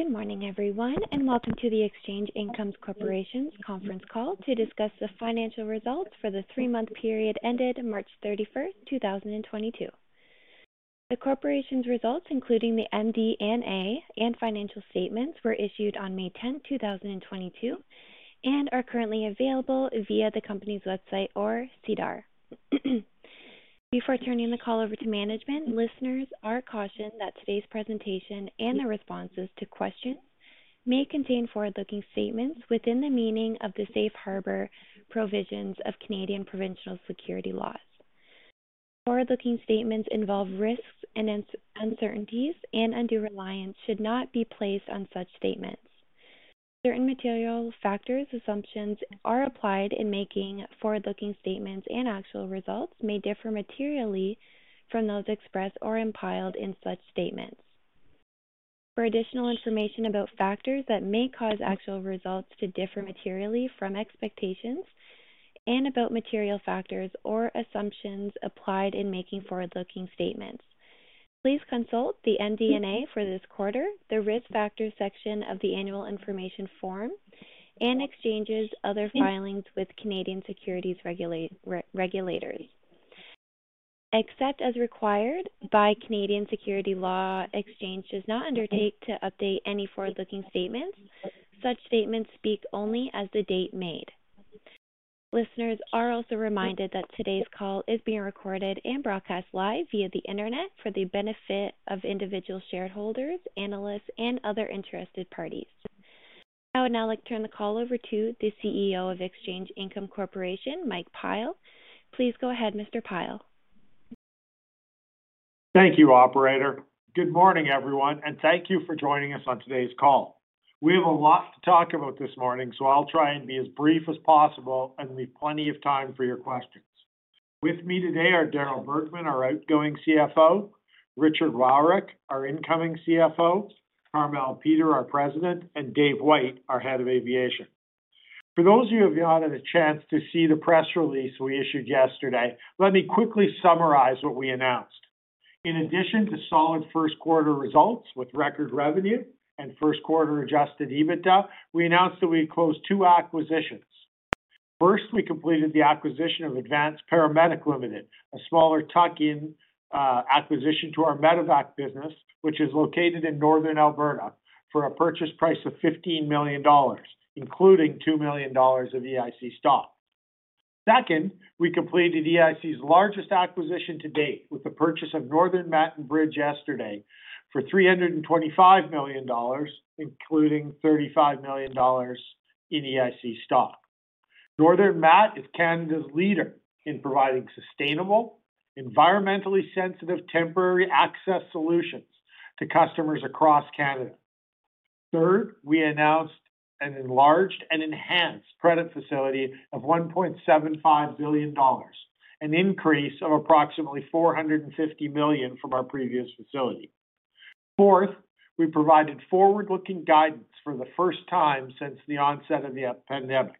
Good morning everyone, and Welcome to The Exchange Income Corporation's Conference Call to discuss the financial results for the three month period ended March 31st, 2022. The corporation's results, including the MD&A and financial statements, were issued on May 10, 2022, and are currently available via the company's website or SEDAR. Before turning the call over to management, listeners are cautioned that today's presentation and the responses to questions may contain forward-looking statements within the meaning of the safe harbor provisions of Canadian provincial securities laws. Forward-looking statements involve risks and uncertainties, and undue reliance should not be placed on such statements. Certain material factors and assumptions are applied in making forward-looking statements, and actual results may differ materially from those expressed or implied in such statements. For additional information about factors that may cause actual results to differ materially from expectations and about material factors or assumptions applied in making forward-looking statements, please consult the MD&A for this quarter, the Risk Factors section of the Annual Information Form, and Exchange's other filings with Canadian securities regulators. Except as required by Canadian securities law, Exchange does not undertake to update any forward-looking statements. Such statements speak only as of the date made. Listeners are also reminded that today's call is being recorded and broadcast live via the Internet for the benefit of individual shareholders, analysts, and other interested parties. I would now like to turn the call over to the CEO of Exchange Income Corporation, Mike Pyle. Please go ahead, Mr. Pyle. Thank you, operator. Good morning, everyone, and thank you for joining us on today's call. We have a lot to talk about this morning, so I'll try and be as brief as possible and leave plenty of time for your questions. With me today are Darryl Bergman, our outgoing CFO, Richard Wowryk, our incoming CFO, Carmele Peter, our president, and Dave White, our head of aviation. For those of you who have not had a chance to see the press release we issued yesterday, let me quickly summarize what we announced. In addition to solid first quarter results with record revenue and first quarter adjusted EBITDA, we announced that we closed two acquisitions. First, we completed the acquisition of Advanced Paramedic Ltd., a smaller tuck-in acquisition to our Medevac business, which is located in Northern Alberta, for a purchase price of 15 million dollars, including 2 million dollars of EIC stock. Second, we completed EIC's largest acquisition to date with the purchase of Northern Mat & Bridge yesterday for 325 million dollars, including 35 million dollars in EIC stock. Northern Mat & Bridge is Canada's leader in providing sustainable, environmentally sensitive, temporary access solutions to customers across Canada. Third, we announced an enlarged and enhanced credit facility of 1.75 billion dollars, an increase of approximately 450 million from our previous facility. Fourth, we provided forward-looking guidance for the first time since the onset of the COVID-19 pandemic.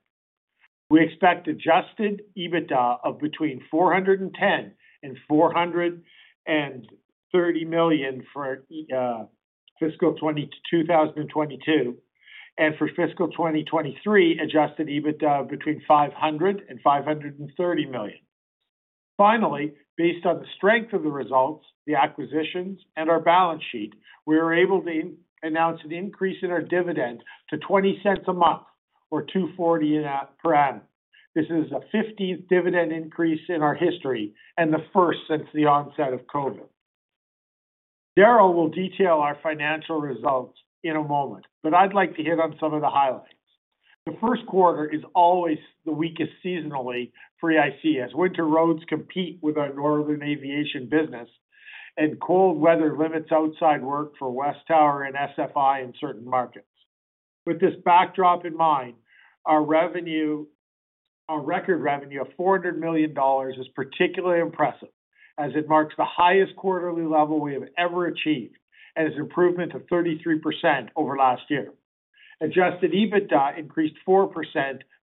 We expect adjusted EBITDA of between 410 million and 430 million for fiscal 2022, and for fiscal 2023, adjusted EBITDA of between 500 million and 530 million. Finally, based on the strength of the results, the acquisitions, and our balance sheet, we were able to announce an increase in our dividend to 0.20 a month or 2.40 per annum. This is the 15th dividend increase in our history and the first since the onset of COVID. Darryl will detail our financial results in a moment, but I'd like to hit on some of the highlights. The first quarter is always the weakest seasonally for EIC as winter roads compete with our northern aviation business and cold weather limits outside work for WesTower and SFI in certain markets. With this backdrop in mind, our revenue, our record revenue of 400 million dollars is particularly impressive as it marks the highest quarterly level we have ever achieved and is an improvement of 33% over last year. Adjusted EBITDA increased 4%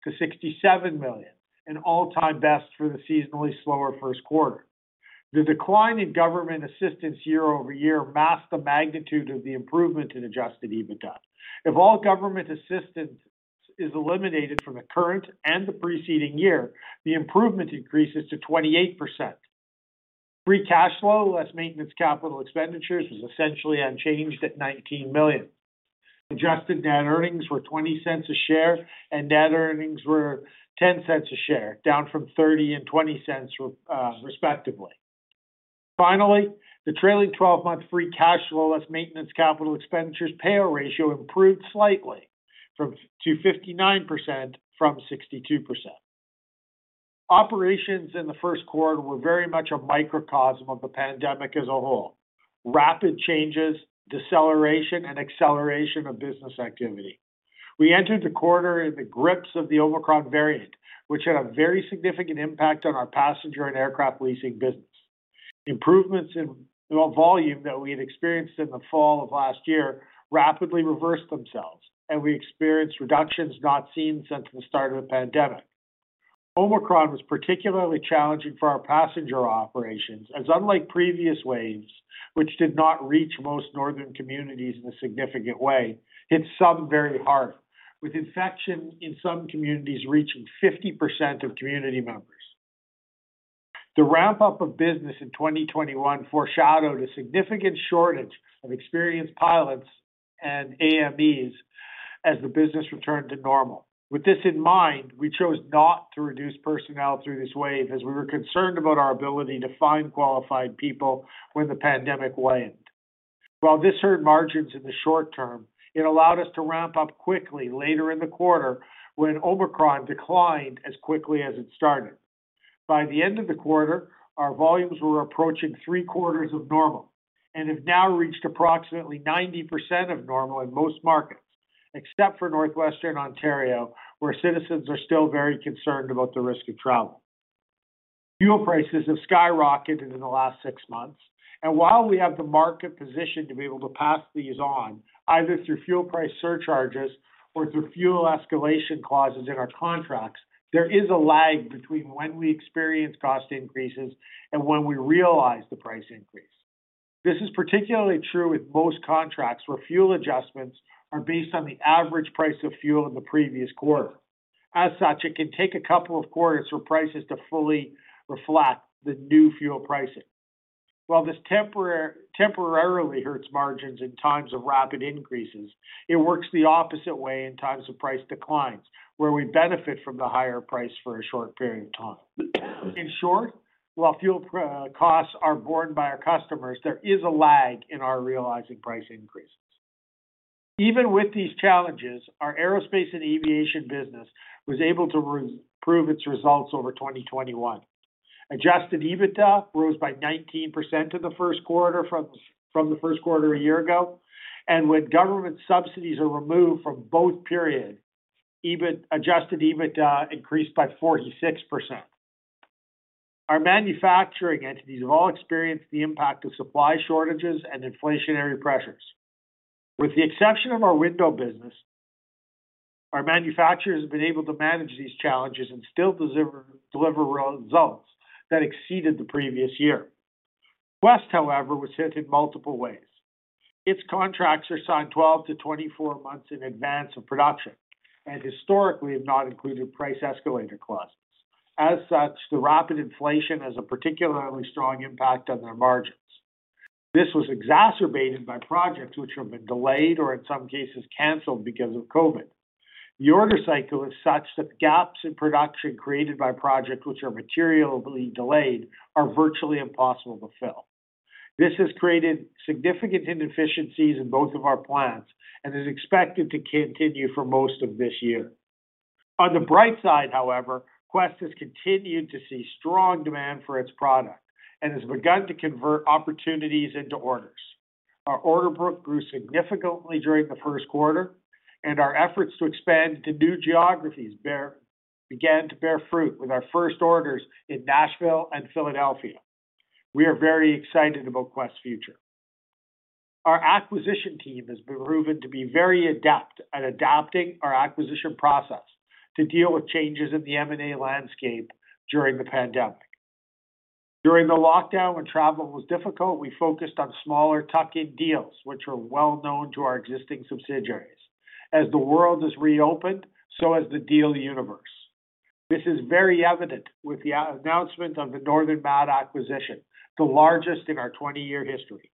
to 67 million, an all-time best for the seasonally slower first quarter. The decline in government assistance year-over-year masked the magnitude of the improvement in adjusted EBITDA. If all government assistance is eliminated from the current and the preceding year, the improvement increases to 28%. Free cash flow, less Maintenance Capital Expenditures, was essentially unchanged at 19 million. Adjusted net earnings were 0.20 a share, and net earnings were 0.10 a share, down from 0.30 and 0.20, respectively. Finally, the trailing 12 month free cash flow, less Maintenance Capital Expenditures payout ratio improved slightly to 59%-62%. Operations in the first quarter were very much a microcosm of the pandemic as a whole. Rapid changes, deceleration and acceleration of business activity. We entered the quarter in the grips of the Omicron Variant, which had a very significant impact on our passenger and aircraft leasing business. Improvements in, you know, volume that we had experienced in the fall of last year rapidly reversed themselves, and we experienced reductions not seen since the start of the pandemic. Omicron was particularly challenging for our passenger operations as unlike previous waves, which did not reach most northern communities in a significant way, hit some very hard, with infection in some communities reaching 50% of community members. The ramp-up of business in 2021 foreshadowed a significant shortage of experienced pilots and AMEs as the business returned to normal. With this in mind, we chose not to reduce personnel through this wave as we were concerned about our ability to find qualified people when the pandemic waned. While this hurt margins in the short term, it allowed us to ramp up quickly later in the quarter when Omicron declined as quickly as it started. By the end of the quarter, our volumes were approaching three-quarters of normal and have now reached approximately 90% of normal in most markets, except for Northwestern Ontario, where citizens are still very concerned about the risk of travel. Fuel prices have skyrocketed in the last six months, and while we have the market position to be able to pass these on, either through fuel price surcharges or through fuel escalation clauses in our contracts, there is a lag between when we experience cost increases and when we realize the price increase. This is particularly true with most contracts where fuel adjustments are based on the average price of fuel in the previous quarter. As such, it can take a couple of quarters for prices to fully reflect the new fuel pricing. While this temporarily hurts margins in times of rapid increases, it works the opposite way in times of price declines, where we benefit from the higher price for a short period of time. In short, while fuel costs are borne by our customers, there is a lag in our realizing price increases. Even with these challenges, our aerospace and aviation business was able to improve its results over 2021. Adjusted EBITDA rose by 19% in the first quarter from the first quarter a year ago, and when government subsidies are removed from both periods, adjusted EBITDA increased by 46%. Our manufacturing entities have all experienced the impact of supply shortages and inflationary pressures. With the exception of our window business, our manufacturers have been able to manage these challenges and still deliver results that exceeded the previous year. Quest, however, was hit in multiple ways. Its contracts are signed 12-24 months in advance of production and historically have not included price escalator clauses. As such, the rapid inflation has a particularly strong impact on their margins. This was exacerbated by projects which have been delayed or in some cases canceled because of COVID-19. The order cycle is such that gaps in production created by projects which are materially delayed are virtually impossible to fill. This has created significant inefficiencies in both of our plants and is expected to continue for most of this year. On the bright side, however, Quest has continued to see strong demand for its product and has begun to convert opportunities into orders. Our order book grew significantly during the first quarter and our efforts to expand to new geographies began to bear fruit with our first orders in Nashville and Philadelphia. We are very excited about Quest's future. Our acquisition team has proven to be very adept at adapting our acquisition process to deal with changes in the M&A landscape during the pandemic. During the lockdown, when travel was difficult, we focused on smaller tuck-in deals which were well known to our existing subsidiaries. As the world has reopened, so has the deal universe. This is very evident with the announcement of the Northern Mat & Bridge acquisition, the largest in our 20-year history.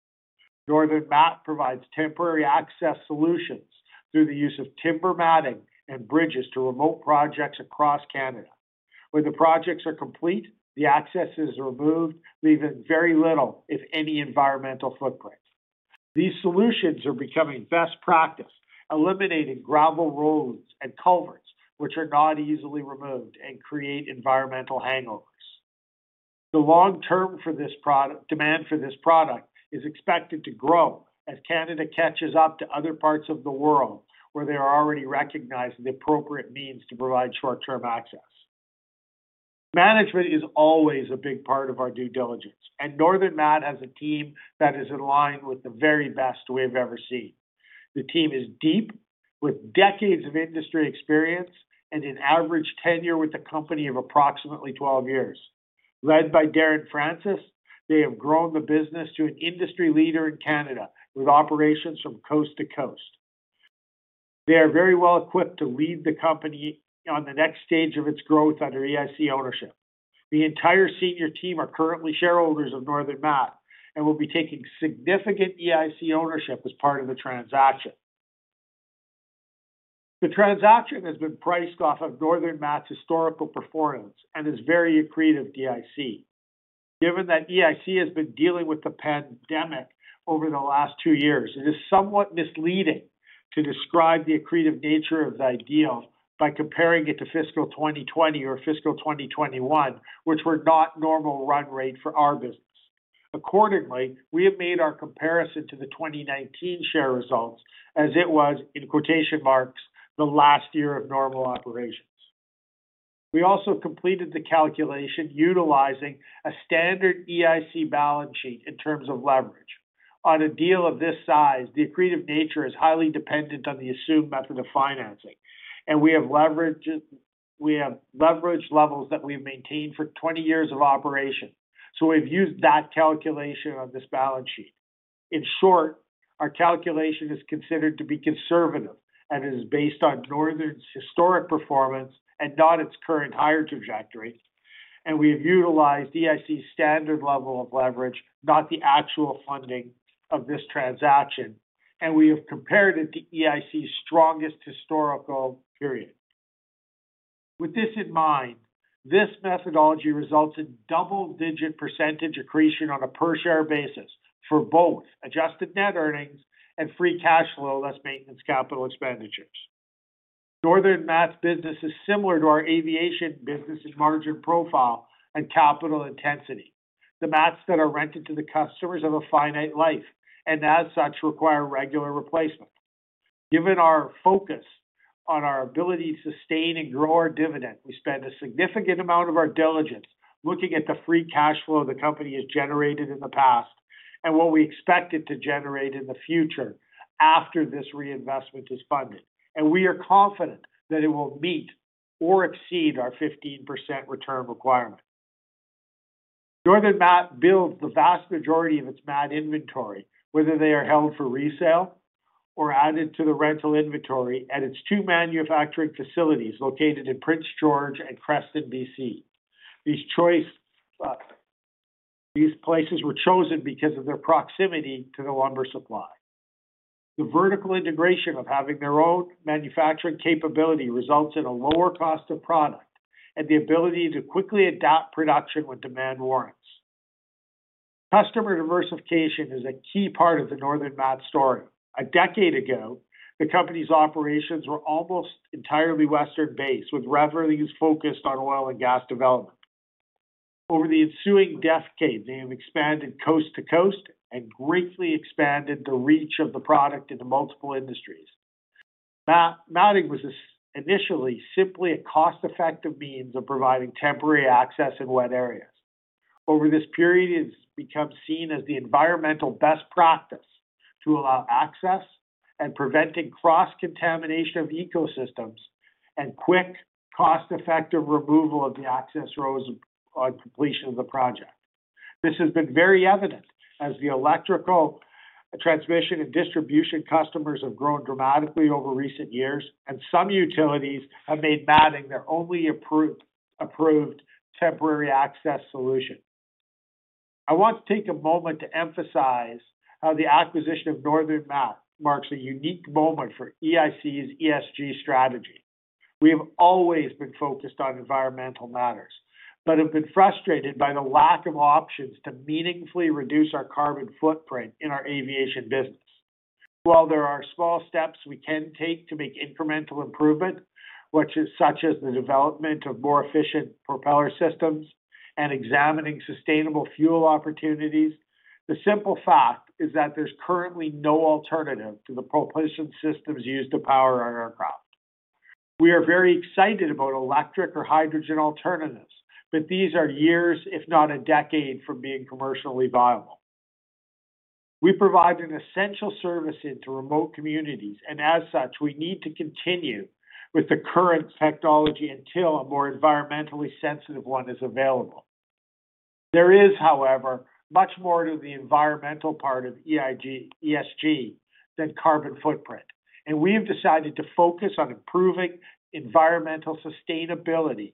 Northern Mat & Bridge provides temporary access solutions through the use of timber matting and bridges to remote projects across Canada. When the projects are complete, the access is removed, leaving very little, if any, environmental footprint. These solutions are becoming best practice, eliminating gravel roads and culverts, which are not easily removed and create environmental hangovers. The long term for this product, demand for this product is expected to grow as Canada catches up to other parts of the world where they are already recognizing the appropriate means to provide short-term access. Management is always a big part of our due diligence, and Northern Mat & Bridge has a team that is in line with the very best we've ever seen. The team is deep, with decades of industry experience and an average tenure with the company of approximately 12 years. Led by Darren Francis, they have grown the business to an industry leader in Canada, with operations from coast to coast. They are very well equipped to lead the company on the next stage of its growth under EIC ownership. The entire senior team are currently shareholders of Northern Mat and will be taking significant EIC ownership as part of the transaction. The transaction has been priced off of Northern Mat's historical performance and is very accretive to EIC. Given that EIC has been dealing with the pandemic over the last two years, it is somewhat misleading to describe the accretive nature of the deal by comparing it to fiscal 2020 or fiscal 2021, which were not normal run rate for our business. Accordingly, we have made our comparison to the 2019 share results as it was, in quotation marks, "the last year of normal operations." We also completed the calculation utilizing a standard EIC balance sheet in terms of leverage. On a deal of this size, the accretive nature is highly dependent on the assumed method of financing. We have leverage levels that we've maintained for 20 years of operation. We've used that calculation on this balance sheet. In short, our calculation is considered to be conservative and is based on Northern's historic performance and not its current higher trajectory. We have utilized EIC standard level of leverage, not the actual funding of this transaction. We have compared it to EIC's strongest historical period. With this in mind, this methodology results in double-digit percentage accretion on a per-share basis for both adjusted net earnings and free cash flow, less Maintenance Capital Expenditures. Northern Mat & Bridge's business is similar to our aviation business' margin profile and capital intensity. The mats that are rented to the customers have a finite life, and as such, require regular replacement. Given our focus on our ability to sustain and grow our dividend, we spend a significant amount of our diligence looking at the free cash flow the company has generated in the past and what we expect it to generate in the future after this reinvestment is funded. We are confident that it will meet or exceed our 15% return requirement. Northern Mat builds the vast majority of its mat inventory, whether they are held for resale or added to the rental inventory, at its two manufacturing facilities located in Prince George and Creston, BC. These places were chosen because of their proximity to the lumber supply. The vertical integration of having their own manufacturing capability results in a lower cost of product and the ability to quickly adapt production when demand warrants. Customer diversification is a key part of the Northern Mat story. A decade ago, the company's operations were almost entirely Western-based, with revenues focused on oil and gas development. Over the ensuing decade, they have expanded coast to coast and greatly expanded the reach of the product into multiple industries. Matting was initially simply a cost-effective means of providing temporary access in wet areas. Over this period, it's become seen as the environmental best practice to allow access and preventing cross-contamination of ecosystems and quick, cost-effective removal of the access roads on completion of the project. This has been very evident as the electrical transmission and distribution customers have grown dramatically over recent years, and some utilities have made matting their only approved temporary access solution. I want to take a moment to emphasize how the acquisition of Northern Mat marks a unique moment for EIC's ESG strategy. We have always been focused on environmental matters but have been frustrated by the lack of options to meaningfully reduce our carbon footprint in our aviation business. While there are small steps we can take to make incremental improvement, which is such as the development of more efficient propeller systems and examining sustainable fuel opportunities, the simple fact is that there's currently no alternative to the propulsion systems used to power our aircraft. We are very excited about electric or hydrogen alternatives, but these are years, if not a decade, from being commercially viable. We provide an Essential Service into remote communities, and as such, we need to continue with the current technology until a more environmentally sensitive one is available. There is, however, much more to the environmental part of EIC-ESG than carbon footprint, and we have decided to focus on improving environmental sustainability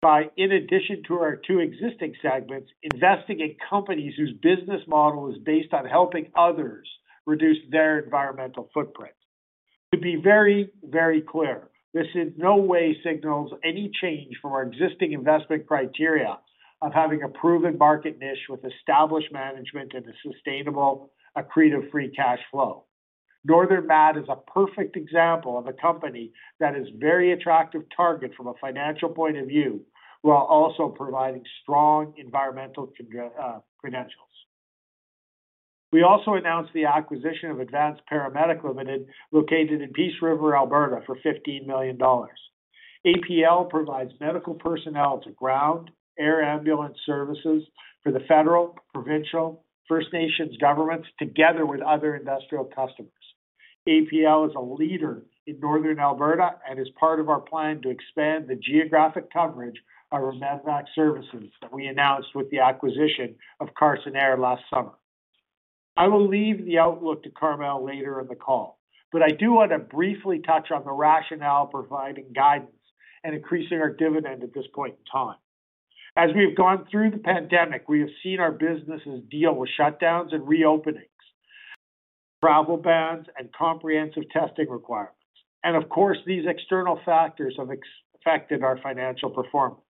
by, in addition to our two existing segments, investing in companies whose business model is based on helping others reduce their environmental footprint. To be very, very clear, this in no way signals any change from our existing investment criteria of having a proven market niche with established management and a sustainable accretive free cash flow. Northern Mat is a perfect example of a company that is very attractive target from a financial point of view, while also providing strong environmental credentials. We also announced the acquisition of Advanced Paramedic Ltd., located in Peace River, Alberta, for 15 million dollars. APL provides medical personnel to ground, air ambulance services for the federal, provincial, First Nations governments, together with other industrial customers. APL is a leader in Northern Alberta and is part of our plan to expand the geographic coverage of our medevac services that we announced with the acquisition of Carson Air last summer. I will leave the outlook to Carmele later in the call, but I do want to briefly touch on the rationale of providing guidance and increasing our dividend at this point in time. As we've gone through the pandemic, we have seen our businesses deal with shutdowns and re openings, travel bans, and comprehensive testing requirements. Of course, these external factors have affected our financial performance.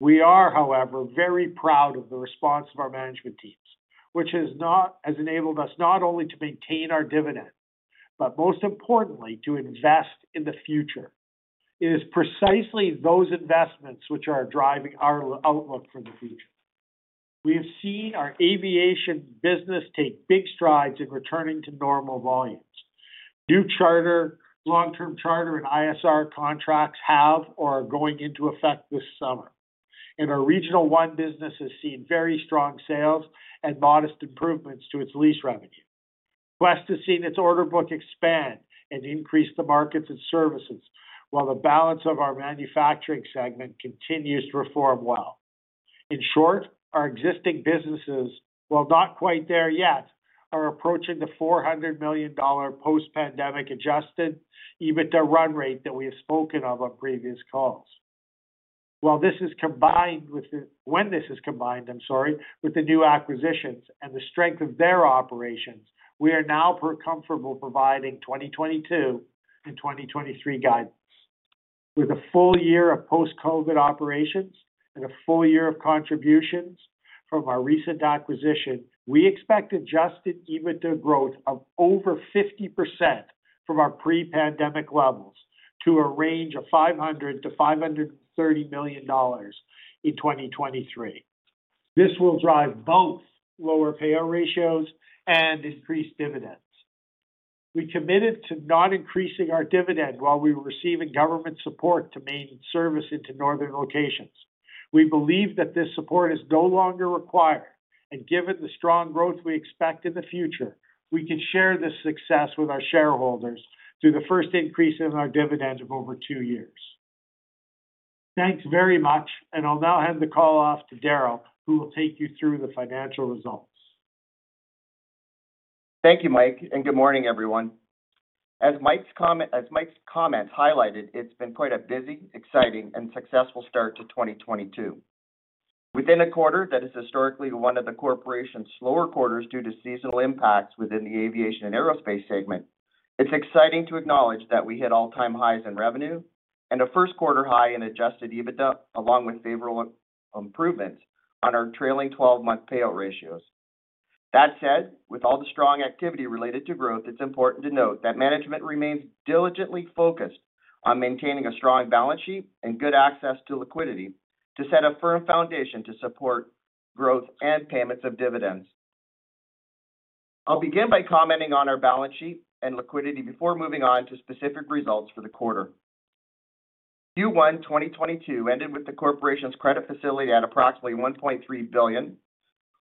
We are, however, very proud of the response of our management teams, which has enabled us not only to maintain our dividend, but most importantly, to invest in the future. It is precisely those investments which are driving our outlook for the future. We have seen our aviation business take big strides in returning to normal volumes. New charter, long-term charter and ISR contracts have or are going into effect this summer. Our Regional One business has seen very strong sales and modest improvements to its lease revenue. WesTower has seen its order book expand and increase the markets it services, while the balance of our manufacturing segment continues to perform well. In short, our existing businesses, while not quite there yet, are approaching the 400 million dollar post-pandemic adjusted EBITDA run rate that we have spoken of on previous calls. When this is combined, I'm sorry, with the new acquisitions and the strength of their operations, we are now comfortable providing 2022 and 2023 guidance. With a full year of post-COVID operations and a full year of contributions from our recent acquisition, we expect adjusted EBITDA growth of over 50% from our pre-pandemic levels to a range of 500 million-530 million dollars in 2023. This will drive both lower payout ratios and increased dividends. We committed to not increasing our dividend while we were receiving government support to maintain service into northern locations. We believe that this support is no longer required, and given the strong growth we expect in the future, we can share this success with our shareholders through the first increase in our dividend of over two years. Thanks very much, and I'll now hand the call off to Darryl, who will take you through the financial results. Thank you, Mike, and good morning, everyone. As Mike's comments highlighted, it's been quite a busy, exciting, and successful start to 2022. Within a quarter that is historically one of the corporation's slower quarters due to seasonal impacts within the aviation and aerospace segment, it's exciting to acknowledge that we hit all-time highs in revenue and a first quarter high in adjusted EBITDA, along with favorable improvements on our trailing 12 month payout ratios. That said, with all the strong activity related to growth, it's important to note that management remains diligently focused on maintaining a strong balance sheet and good access to liquidity to set a firm foundation to support growth and payments of dividends. I'll begin by commenting on our balance sheet and liquidity before moving on to specific results for the quarter. Q1 2022 ended with the corporation's credit facility at approximately 1.3 billion,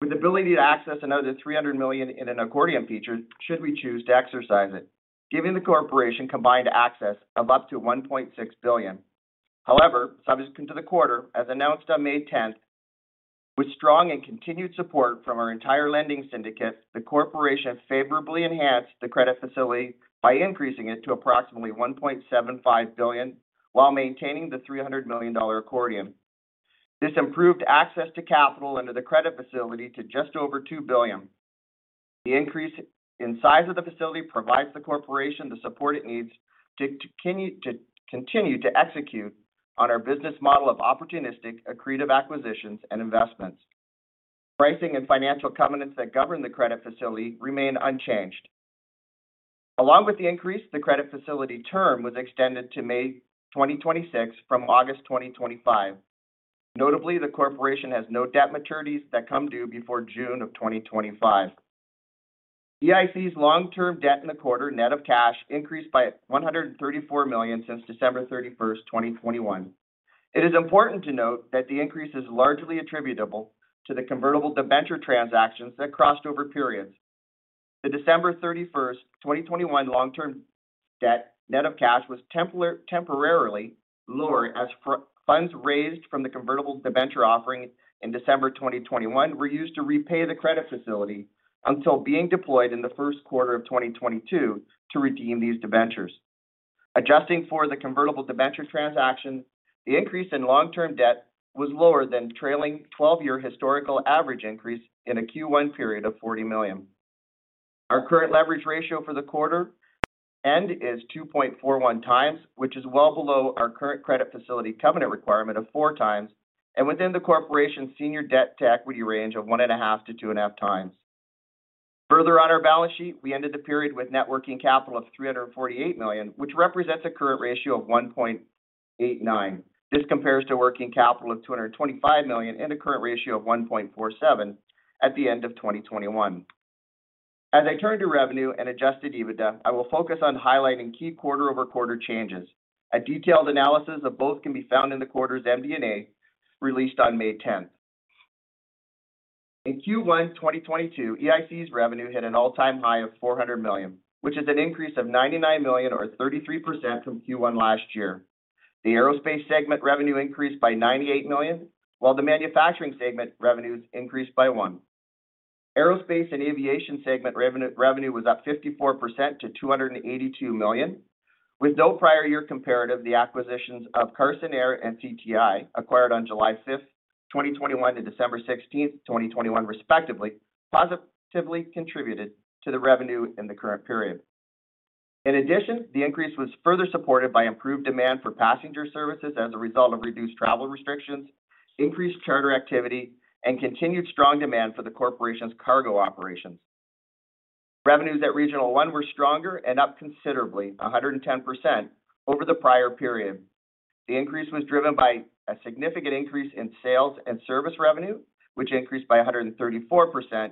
with the ability to access another 300 million in an accordion feature should we choose to exercise it, giving the corporation combined access of up to 1.6 billion. However, subsequent to the quarter, as announced on May tenth, with strong and continued support from our entire lending syndicate, the corporation favorably enhanced the credit facility by increasing it to approximately 1.75 billion while maintaining the 300 million dollar accordion. This improved access to capital under the credit facility to just over 2 billion. The increase in size of the facility provides the corporation the support it needs to continue to execute on our business model of opportunistic, accretive acquisitions and investments. Pricing and financial covenants that govern the credit facility remain unchanged. Along with the increase, the credit facility term was extended to May 2026 from August 2025. Notably, the corporation has no debt maturities that come due before June 2025. EIC's long-term debt in the quarter, net of cash, increased by 134 million since December 31st, 2021. It is important to note that the increase is largely attributable to the convertible debenture transactions that crossed over periods. The December 31st, 2021 long-term debt, net of cash, was temporarily lower as funds raised from the convertible debenture offering in December 2021 were used to repay the credit facility until being deployed in the first quarter of 2022 to redeem these debentures. Adjusting for the convertible debenture transaction, the increase in long-term debt was lower than trailing 12-year historical average increase in a Q1 period of 40 million. Our current leverage ratio for the quarter end is 2.41x, which is well below our current credit facility covenant requirement of 4x and within the corporation's senior debt to equity range of 1.5x-2.5x. Further on our balance sheet, we ended the period with net working capital of 348 million, which represents a current ratio of 1.89. This compares to working capital of 225 million and a current ratio of 1.47 at the end of 2021. As I turn to revenue and adjusted EBITDA, I will focus on highlighting key quarter-over-quarter changes. A detailed analysis of both can be found in the quarter's MD&A released on May 10. In Q1 2022, EIC's revenue hit an all-time high of 400 million, which is an increase of 99 million or 33% from Q1 last year. The aerospace segment revenue increased by 98 million, while the manufacturing segment revenues increased by 1 million. Aerospace and aviation segment revenue was up 54% to 282 million. With no prior year comparative, the acquisitions of Carson Air and CTI, acquired on July 5th, 2021 to December 16th, 2021 respectively, positively contributed to the revenue in the current period. In addition, the increase was further supported by improved demand for passenger services as a result of reduced travel restrictions, increased charter activity, and continued strong demand for the corporation's cargo operations. Revenues at Regional One were stronger and up considerably, 110% over the prior period. The increase was driven by a significant increase in sales and service revenue, which increased by 134%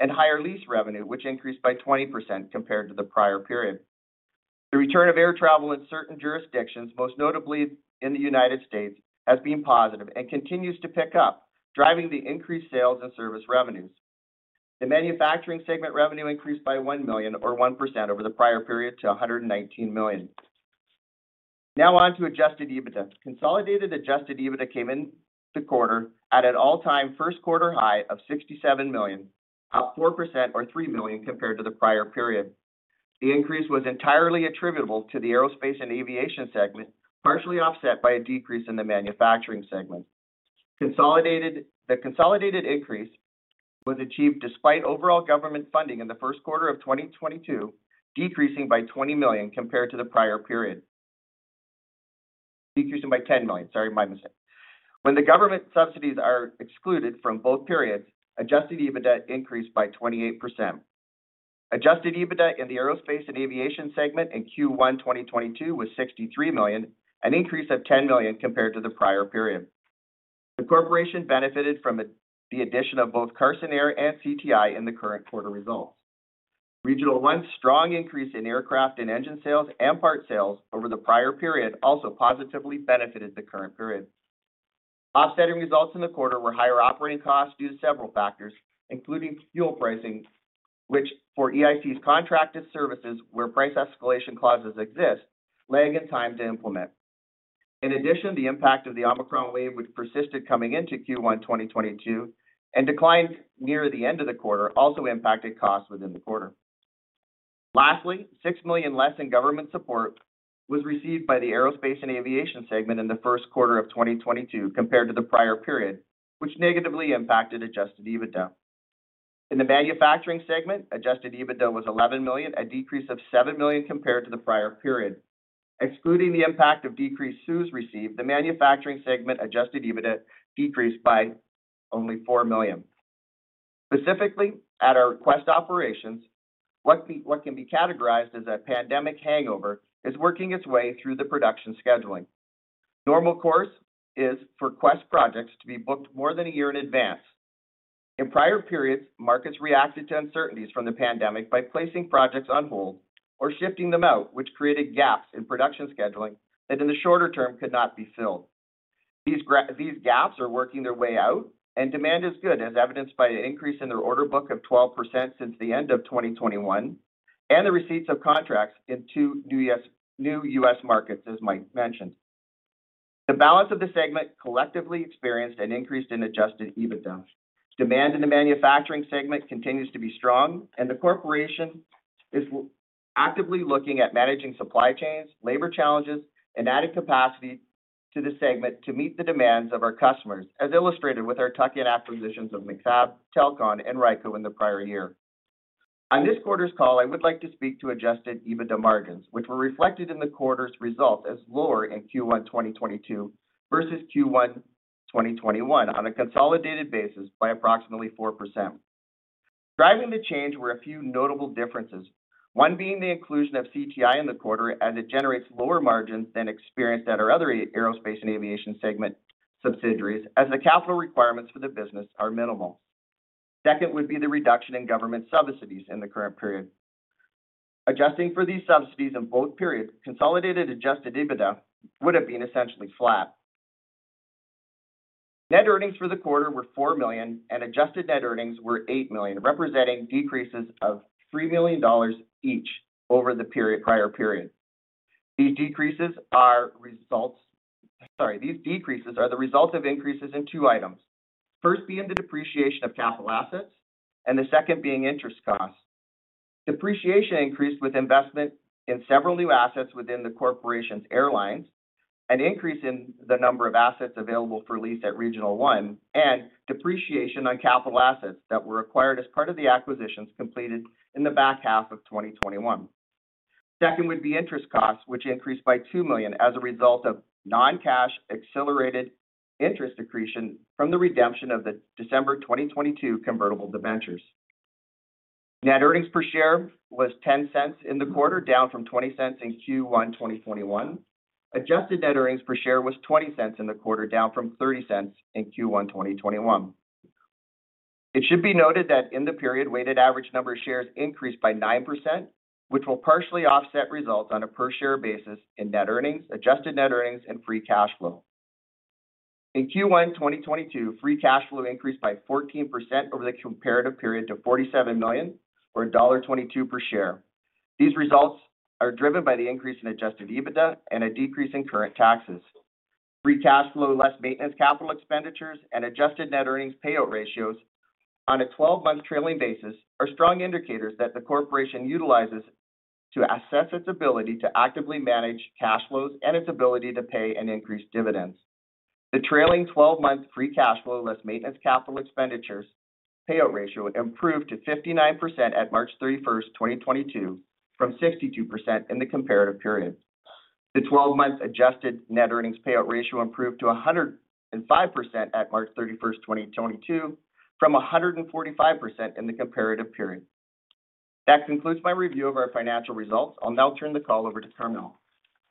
and higher lease revenue, which increased by 20% compared to the prior period. The return of air travel in certain jurisdictions, most notably in the United States, has been positive and continues to pick up, driving the increased sales and service revenues. The manufacturing segment revenue increased by 1 million or 1% over the prior period to 119 million. Now on to adjusted EBITDA. Consolidated adjusted EBITDA came in the quarter at an all-time first quarter high of 67 million, up 4% or 3 million compared to the prior period. The increase was entirely attributable to the aerospace and aviation segment, partially offset by a decrease in the manufacturing segment. The consolidated increase was achieved despite overall government funding in the first quarter of 2022, decreasing by 10 million compared to the prior period. Sorry, my mistake. When the government subsidies are excluded from both periods, adjusted EBITDA increased by 28%. Adjusted EBITDA in the aerospace and aviation segment in Q1 2022 was 63 million, an increase of 10 million compared to the prior period. The corporation benefited from the addition of both Carson Air and CTI in the current quarter results. Regional One's strong increase in aircraft and engine sales and parts sales over the prior period also positively benefited the current period. Offsetting results in the quarter were higher operating costs due to several factors, including fuel pricing, which for EIC's contracted services where price escalation clauses exist, lag in time to implement. In addition, the impact of the Omicron wave, which persisted coming into Q1 2022 and declined near the end of the quarter, also impacted costs within the quarter. Lastly, 6 million less in government support was received by the aerospace and aviation segment in the first quarter of 2022 compared to the prior period, which negatively impacted adjusted EBITDA. In the manufacturing segment, adjusted EBITDA was 11 million, a decrease of 7 million compared to the prior period. Excluding the impact of decreased CEWS received, the manufacturing segment adjusted EBITDA decreased by only 4 million. Specifically, at our Quest operations, what can be categorized as a pandemic hangover is working its way through the production scheduling. Normal course is for Quest projects to be booked more than a year in advance. In prior periods, markets reacted to uncertainties from the pandemic by placing projects on hold or shifting them out, which created gaps in production scheduling that in the shorter term could not be filled. These gaps are working their way out, and demand is good, as evidenced by an increase in their order book of 12% since the end of 2021, and the receipts of contracts in two new U.S. markets, as Mike mentioned. The balance of the segment collectively experienced an increase in adjusted EBITDA. Demand in the manufacturing segment continues to be strong, and the corporation is actively looking at managing supply chains, labor challenges, and adding capacity to the segment to meet the demands of our customers, as illustrated with our tuck-in acquisitions of Macfab, Telcon, and Ryko in the prior year. On this quarter's call, I would like to speak to adjusted EBITDA margins, which were reflected in the quarter's result as lower in Q1 2022 versus Q1 2021 on a consolidated basis by approximately 4%. Driving the change were a few notable differences, one being the inclusion of CTI in the quarter as it generates lower margins than experienced at our other aerospace and aviation segment subsidiaries, as the capital requirements for the business are minimal. Second would be the reduction in government subsidies in the current period. Adjusting for these subsidies in both periods, consolidated adjusted EBITDA would have been essentially flat. Net earnings for the quarter were 4 million, and adjusted net earnings were 8 million, representing decreases of 3 million dollars each over the prior period. These decreases are the result of increases in two items. First being the depreciation of capital assets, and the second being interest costs. Depreciation increased with investment in several new assets within the corporation's airlines, an increase in the number of assets available for lease at Regional One, and depreciation on capital assets that were acquired as part of the acquisitions completed in the back half of 2021. Second would be interest costs, which increased by 2 million as a result of non-cash accelerated interest accretion from the redemption of the December 2022 convertible debentures. Net earnings per share was 0.10 in the quarter, down from 0.20 in Q1 2021. Adjusted net earnings per share was 0.20 in the quarter, down from 0.30 in Q1 2021. It should be noted that in the period, weighted average number of shares increased by 9%, which will partially offset results on a per-share basis in net earnings, adjusted net earnings, and free cash flow. In Q1 2022, free cash flow increased by 14% over the comparative period to 47 million or dollar 1.22 per share. These results are driven by the increase in adjusted EBITDA and a decrease in current taxes. Free cash flow, less Maintenance Capital Expenditures, and adjusted net earnings payout ratios on a twelve-month trailing basis are strong indicators that the corporation utilizes to assess its ability to actively manage cash flows and its ability to pay and increase dividends. The trailing twelve-month free cash flow, less Maintenance Capital Expenditures payout ratio improved to 59% at March 31st, 2022, from 62% in the comparative period. The twelve-month adjusted net earnings payout ratio improved to 105% at March 31st, 2022, from 145% in the comparative period. That concludes my review of our financial results. I'll now turn the call over to Carmele.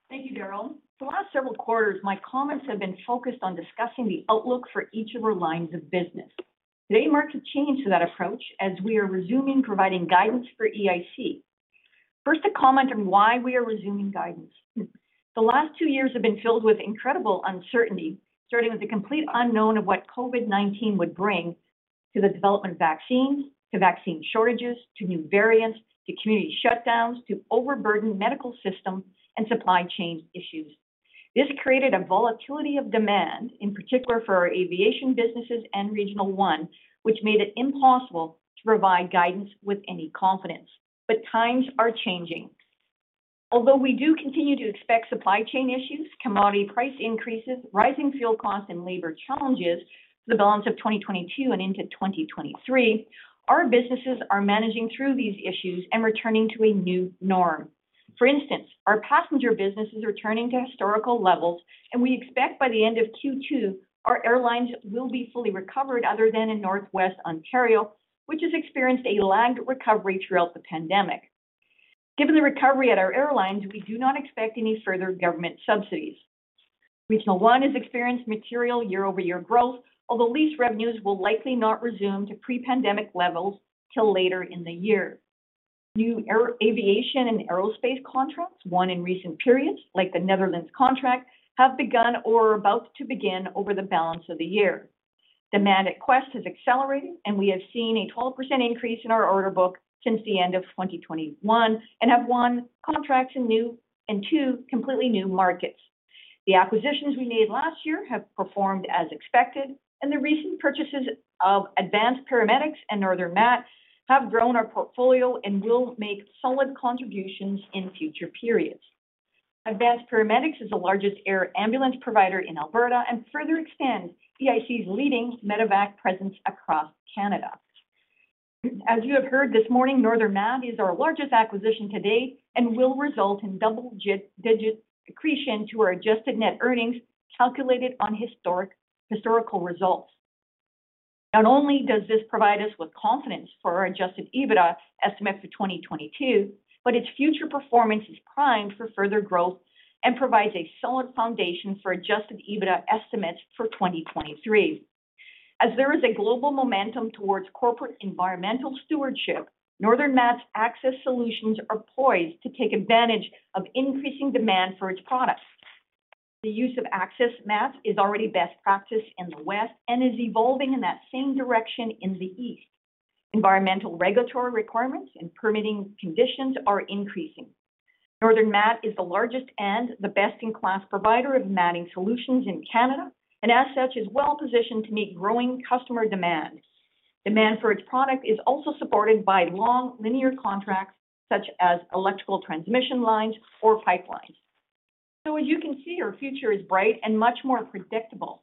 Thank you, Darryl. For the last several quarters, my comments have been focused on discussing the outlook for each of our lines of business. Today marks a change to that approach as we are resuming providing guidance for EIC. First, a comment on why we are resuming guidance. The last two years have been filled with incredible uncertainty, starting with the complete unknown of what COVID-19 would bring to the development of vaccines, to vaccine shortages, to new variants, to community shutdowns, to overburdened medical systems and supply chain issues. This created a volatility of demand, in particular for our aviation businesses and Regional One, which made it impossible to provide guidance with any confidence. Times are changing. Although we do continue to expect supply chain issues, commodity price increases, rising fuel costs, and labor challenges for the balance of 2022 and into 2023, our businesses are managing through these issues and returning to a new norm. For instance, our passenger business is returning to historical levels, and we expect by the end of Q2, our airlines will be fully recovered other than in Northwest Ontario, which has experienced a lagged recovery throughout the pandemic. Given the recovery at our airlines, we do not expect any further government subsidies. Regional One has experienced material year-over-year growth, although lease revenues will likely not resume to pre-pandemic levels till later in the year. New aviation and aerospace contracts won in recent periods, like the Netherlands contract, have begun or are about to begin over the balance of the year. Demand at Quest has accelerated, and we have seen a 12% increase in our order book since the end of 2021 and have won contracts in two completely new markets. The acquisitions we made last year have performed as expected, and the recent purchases of Advanced Paramedic and Northern Mat have grown our portfolio and will make solid contributions in future periods. Advanced Paramedic. is the largest air ambulance provider in Alberta and further extends EIC's leading medevac presence across Canada. As you have heard this morning, Northern Mat is our largest acquisition to date and will result in double-digit accretion to our adjusted net earnings calculated on historical results. Not only does this provide us with confidence for our adjusted EBITDA estimate for 2022, but its future performance is primed for further growth and provides a solid foundation for adjusted EBITDA estimates for 2023. As there is a global momentum towards corporate environmental stewardship, Northern Mat's access solutions are poised to take advantage of increasing demand for its products. The use of access mats is already best practice in the West and is evolving in that same direction in the East. Environmental regulatory requirements and permitting conditions are increasing. Northern Mat is the largest and the best-in-class provider of matting solutions in Canada, and as such, is well-positioned to meet growing customer demand. Demand for its product is also supported by long linear contracts such as electrical transmission lines or pipelines. As you can see, our future is bright and much more predictable.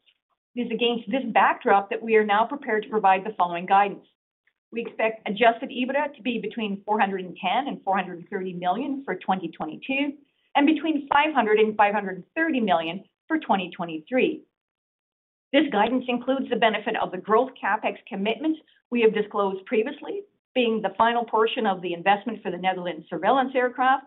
It is against this backdrop that we are now prepared to provide the following guidance. We expect adjusted EBITDA to be between 410 million and 430 million for 2022, and between 500 million and 530 million for 2023. This guidance includes the benefit of the growth CapEx commitments we have disclosed previously, being the final portion of the investment for the Netherlands surveillance aircraft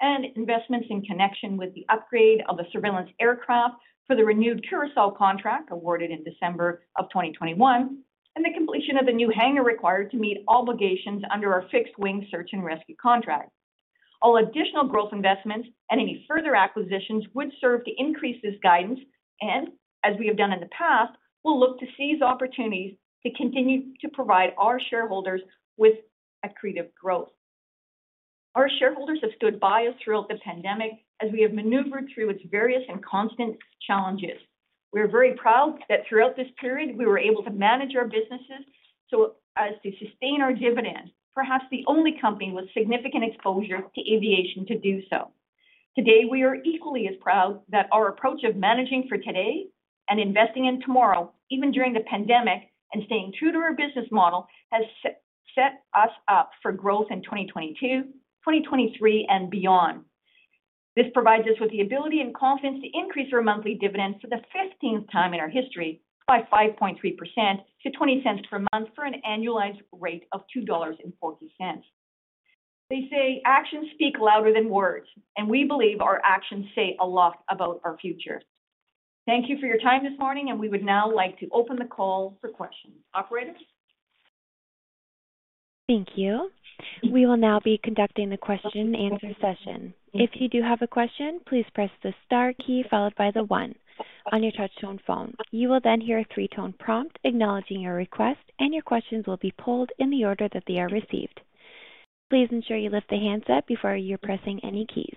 and investments in connection with the upgrade of a surveillance aircraft for the renewed Curaçao contract awarded in December of 2021, and the completion of the new hangar required to meet obligations under our Fixed-Wing Search and Rescue contract. All additional growth investments and any further acquisitions would serve to increase this guidance, and as we have done in the past, we'll look to seize opportunities to continue to provide our shareholders with accretive growth. Our shareholders have stood by us throughout the pandemic as we have maneuvered through its various and constant challenges. We are very proud that throughout this period, we were able to manage our businesses so as to sustain our dividend, perhaps the only company with significant exposure to aviation to do so. Today, we are equally as proud that our approach of managing for today and investing in tomorrow, even during the pandemic and staying true to our business model, has set us up for growth in 2022-2023, and beyond. This provides us with the ability and confidence to increase our monthly dividends for the 15th time in our history by 5.3% to 0.20 per month for an annualized rate of 2.40 dollars. They say actions speak louder than words, and we believe our actions say a lot about our future. Thank you for your time this morning, and we would now like to open the call for questions. Operator? Thank you. We will now be conducting the question and answer session. If you do have a question, please press the star key followed by the one on your touch-tone phone. You will then hear a three-tone prompt acknowledging your request, and your questions will be pulled in the order that they are received. Please ensure you lift the handset before you're pressing any keys.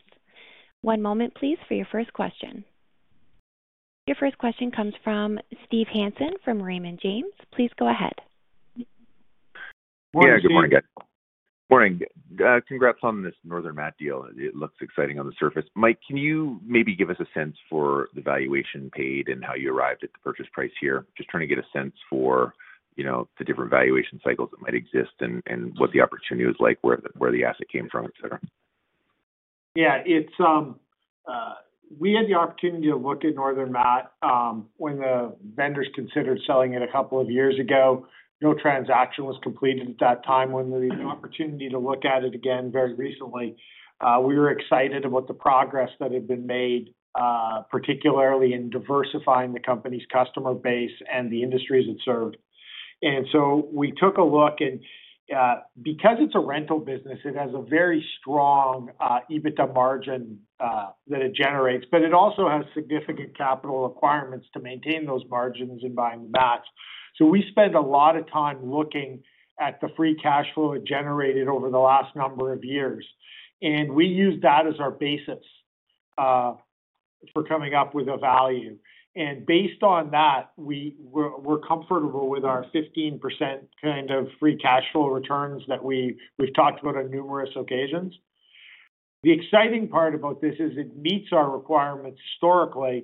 One moment, please, for your first question. Your first question comes from Steve Hansen from Raymond James. Please go ahead. Morning, Steve. Yeah, good morning, guys. Morning. Congrats on this Northern Mat deal. It looks exciting on the surface. Mike, can you maybe give us a sense for the valuation paid and how you arrived at the purchase price here? Just trying to get a sense for, you know, the different valuation cycles that might exist and what the opportunity was like, where the asset came from, et cetera. Yeah, we had the opportunity to look at Northern Mat when the vendors considered selling it a couple of years ago. No transaction was completed at that time. When we had an opportunity to look at it again very recently, we were excited about the progress that had been made, particularly in diversifying the company's customer base and the industries it served. We took a look and, because it's a rental business, it has a very strong EBITDA margin that it generates, but it also has significant capital requirements to maintain those margins in buying mats. We spent a lot of time looking at the free cash flow it generated over the last number of years, and we used that as our basis for coming up with a value. Based on that, we're comfortable with our 15% kind of free cash flow returns that we've talked about on numerous occasions. The exciting part about this is it meets our requirements historically,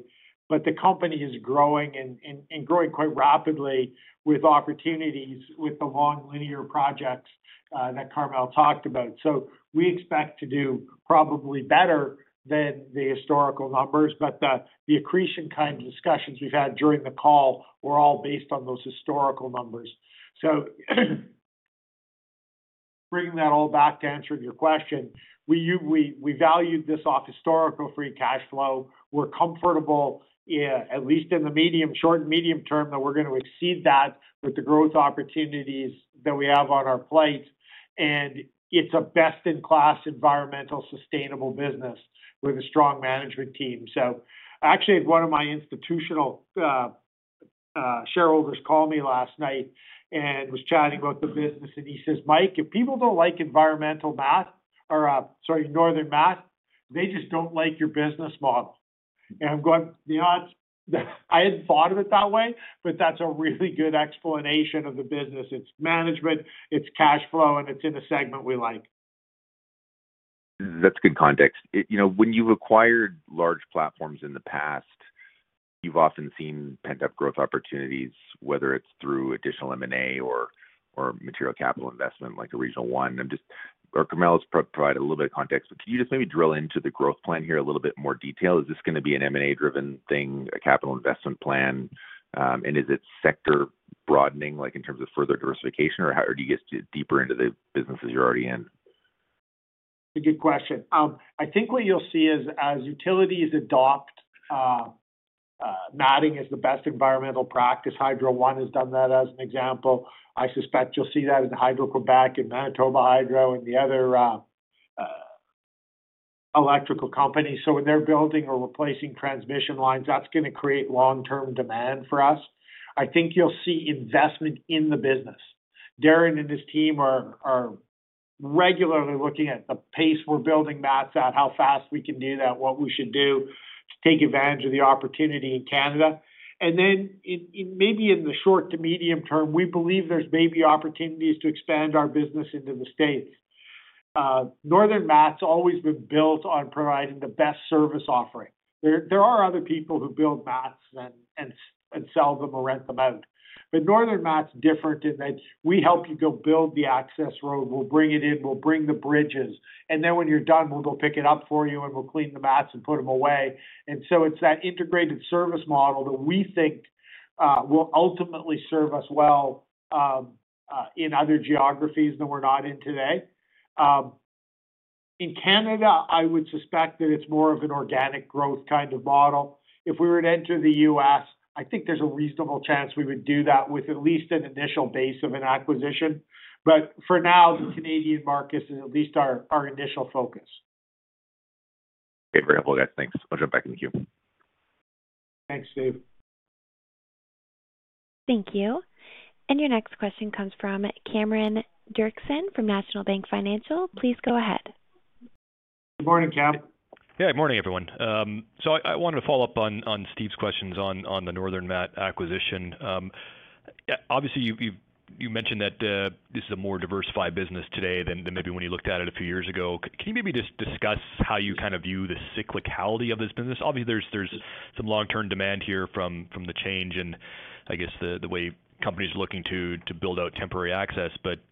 but the company is growing and growing quite rapidly with opportunities with the long linear projects that Carmele talked about. We expect to do probably better than the historical numbers, but the accretion kind of discussions we've had during the call were all based on those historical numbers. Bringing that all back to answer your question, we valued this off historical free cash flow. We're comfortable, at least in the medium, short and medium term, that we're gonna exceed that with the growth opportunities that we have on our plate. It's a best in class environmental sustainable business with a strong management team. Actually, one of my institutional shareholders called me last night and was chatting about the business, and he says, "Mike, if people don't like Environmental Mat or sorry, Northern Mat, they just don't like your business model." I'm going, "You know what? I hadn't thought of it that way, but that's a really good explanation of the business. It's management, it's cash flow, and it's in a segment we like. That's good context. You know, when you've acquired large platforms in the past, you've often seen pent-up growth opportunities, whether it's through additional M&A or material capital investment like a Regional One. Carmele I'll provide a little bit of context, but can you just maybe drill into the growth plan here a little bit more detail? Is this gonna be an M&A driven thing, a capital investment plan? Is it sector broadening, like, in terms of further diversification or do you get deeper into the businesses you're already in? A good question. I think what you'll see is, as utilities adopt matting as the best environmental practice, Hydro One has done that as an example. I suspect you'll see that in Hydro-Québec and Manitoba Hydro and the other electrical companies. When they're building or replacing transmission lines, that's gonna create long-term demand for us. I think you'll see investment in the business. Darren and his team are regularly looking at the pace we're building mats at, how fast we can do that, what we should do to take advantage of the opportunity in Canada. In the short to medium term, we believe there's opportunities to expand our business into the States. Northern Mat always been built on providing the best service offering. There are other people who build mats and sell them or rent them out, but Northern Mat different in that we help you go build the access road. We'll bring it in, we'll bring the bridges, and then when you're done, we'll go pick it up for you and we'll clean the mats and put them away. It's that integrated service model that we think will ultimately serve us well in other geographies than we're not in today. In Canada, I would suspect that it's more of an organic growth kind of model. If we were to enter the U.S., I think there's a reasonable chance we would do that with at least an initial base of an acquisition. But for now, the Canadian market is at least our initial focus. Okay. Very helpful, guys. Thanks. I'll jump back in the queue. Thanks, Steve. Thank you. Your next question comes from Cameron Doerksen from National Bank Financial. Please go ahead. Good morning, Cam. Yeah, good morning, everyone. I wanted to follow up on Steve's questions on the Northern Mat acquisition. Obviously, you've mentioned that this is a more diversified business today than maybe when you looked at it a few years ago. Can you maybe just discuss how you kind of view the cyclicality of this business? Obviously, there's some long-term demand here from the change and, I guess, the way companies are looking to build out temporary access.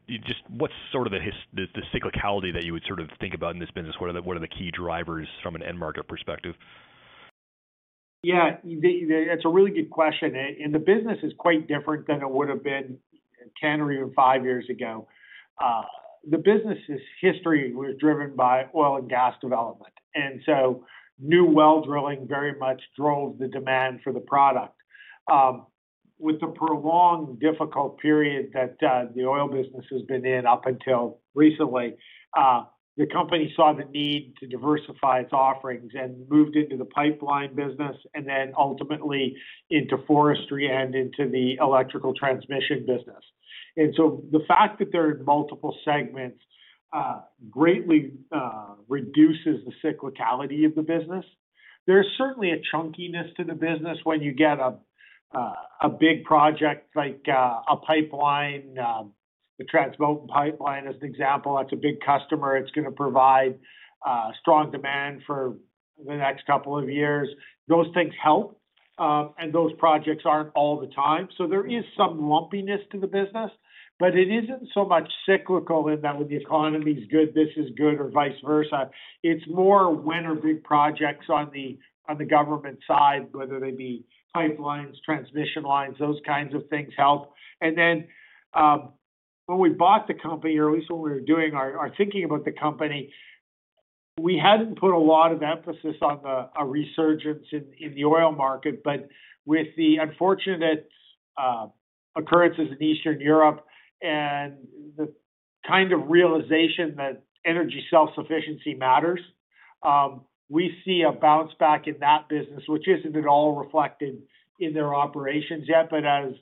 Just what's sort of the cyclicality that you would sort of think about in this business? What are the key drivers from an end market perspective? That's a really good question. The business is quite different than it would have been 10 or even five years ago. The business's history was driven by oil and gas development, and so new well drilling very much drove the demand for the product. With the prolonged difficult period that the oil business has been in up until recently, the company saw the need to diversify its offerings and moved into the pipeline business and then ultimately into forestry and into the electrical transmission business. The fact that there are multiple segments greatly reduces the cyclicality of the business. There's certainly a chunkiness to the business when you get a big project like a pipeline. The Trans Mountain Pipeline as an example, that's a big customer. It's gonna provide strong demand for the next couple of years. Those things help. Those projects aren't all the time. There is some lumpiness to the business, but it isn't so much cyclical in that when the economy's good, this is good, or vice versa. It's more when there are big projects on the government side, whether they be pipelines, transmission lines, those kinds of things help. When we bought the company, or at least when we were doing our thinking about the company, we hadn't put a lot of emphasis on a resurgence in the oil market. With the unfortunate occurrences in Eastern Europe and the kind of realization that energy self-sufficiency matters, we see a bounce-back in that business, which isn't at all reflected in their operations yet. as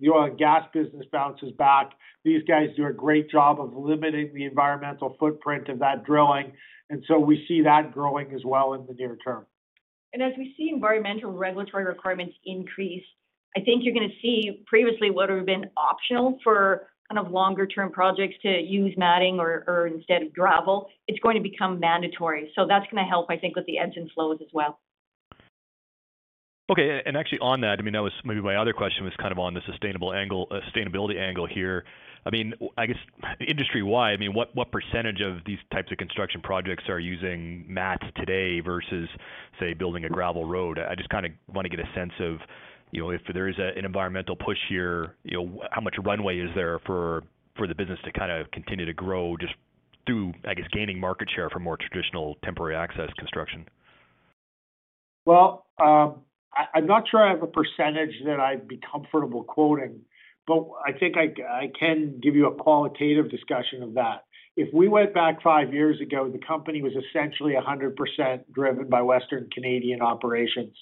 the oil and gas business bounces back, these guys do a great job of limiting the environmental footprint of that drilling, and so we see that growing as well in the near term. As we see environmental regulatory requirements increase, I think you're gonna see previously what would have been optional for kind of longer-term projects to use matting or instead of gravel, it's going to become mandatory. That's gonna help, I think, with the EBITDA flows as well. Okay. Actually on that, I mean, that was maybe my other question was kind of on the sustainable angle, sustainability angle here. I mean, I guess industry-wide, I mean, what percentage of these types of construction projects are using mats today versus, say, building a gravel road? I just kinda wanna get a sense of, you know, if there is an environmental push here, you know, how much runway is there for the business to kind of continue to grow just through, I guess, gaining market share for more traditional temporary access construction? Well, I'm not sure I have a percentage that I'd be comfortable quoting, but I think I can give you a qualitative discussion of that. If we went back five years ago, the company was essentially 100% driven by Western Canadian operations.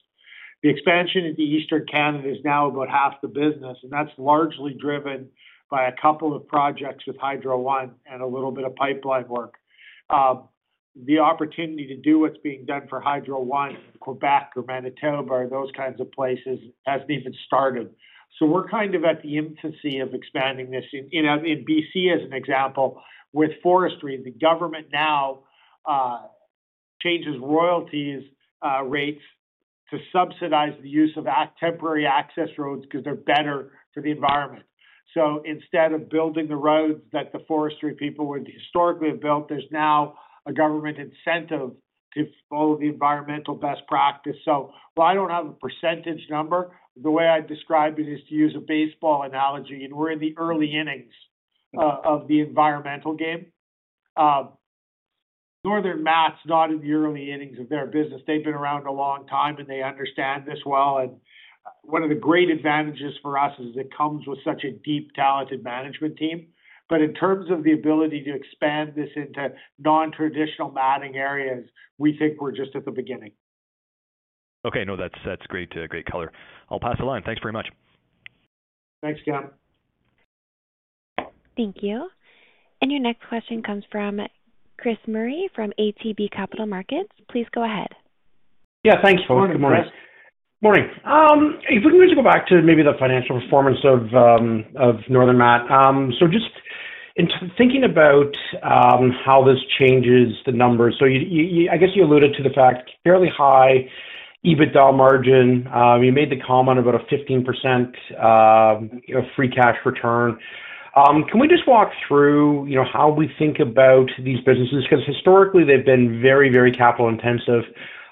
The expansion into Eastern Canada is now about half the business, and that's largely driven by a couple of projects with Hydro One and a little bit of pipeline work. The opportunity to do what's being done for Hydro One in Quebec or Manitoba or those kinds of places hasn't even started. We're kind of at the infancy of expanding this. In, you know, in BC, as an example, with forestry, the government now changes royalty rates to subsidize the use of temporary access roads 'cause they're better for the environment. Instead of building the roads that the forestry people would historically have built, there's now a government incentive to follow the environmental best practice. While I don't have a percentage number, the way I describe it is to use a baseball analogy, and we're in the early innings of the environmental game. Northern Mat's not in the early innings of their business. They've been around a long time, and they understand this well. One of the great advantages for us is it comes with such a deep, talented management team. In terms of the ability to expand this into non-traditional matting areas, we think we're just at the beginning. Okay. No, that's great color. I'll pass the line. Thanks very much. Thanks, Cam. Thank you. Your next question comes from Chris Murray from ATB Capital Markets. Please go ahead. Yeah, thanks, folks. Good morning. Morning, Chris. Morning. If we can just go back to maybe the financial performance of Northern Mat. Just in thinking about how this changes the numbers. I guess you alluded to the fact fairly high EBITDA margin. You made the comment about a 15% free cash return. Can we just walk through how we think about these businesses? 'Cause historically they've been very capital intensive.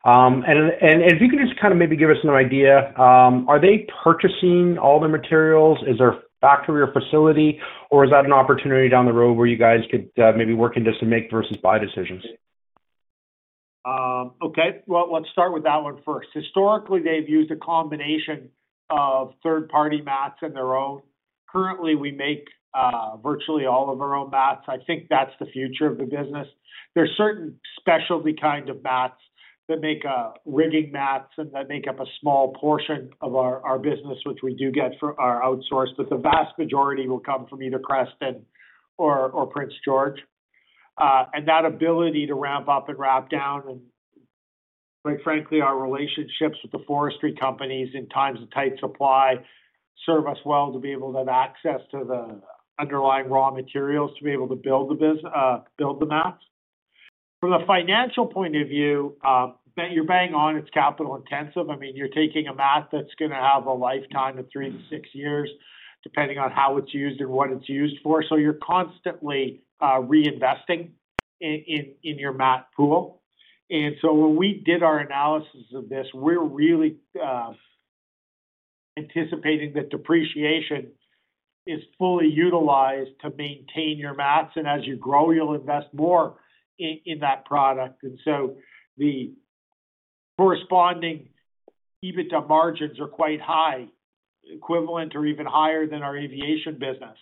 If you can just kinda maybe give us an idea, are they purchasing all their materials? Is there a factory or facility, or is that an opportunity down the road where you guys could maybe work into some make versus buy decisions? Well, let's start with that one first. Historically, they've used a combination of third-party mats and their own. Currently, we make virtually all of our own mats. I think that's the future of the business. There's certain specialty kind of mats, like rigging mats, that make up a small portion of our business, which are outsourced, but the vast majority will come from either Creston or Prince George. That ability to ramp up and ramp down and, quite frankly, our relationships with the forestry companies in times of tight supply serve us well to be able to have access to the underlying raw materials to be able to build the mats. From a financial point of view, you're bang on, it's capital intensive. I mean, you're taking a mat that's gonna have a lifetime of three to six years, depending on how it's used and what it's used for, so you're constantly reinvesting in your mat pool. When we did our analysis of this, we're really anticipating that depreciation is fully utilized to maintain your mats, and as you grow, you'll invest more in that product. The corresponding EBITDA margins are quite high, equivalent to or even higher than our aviation business.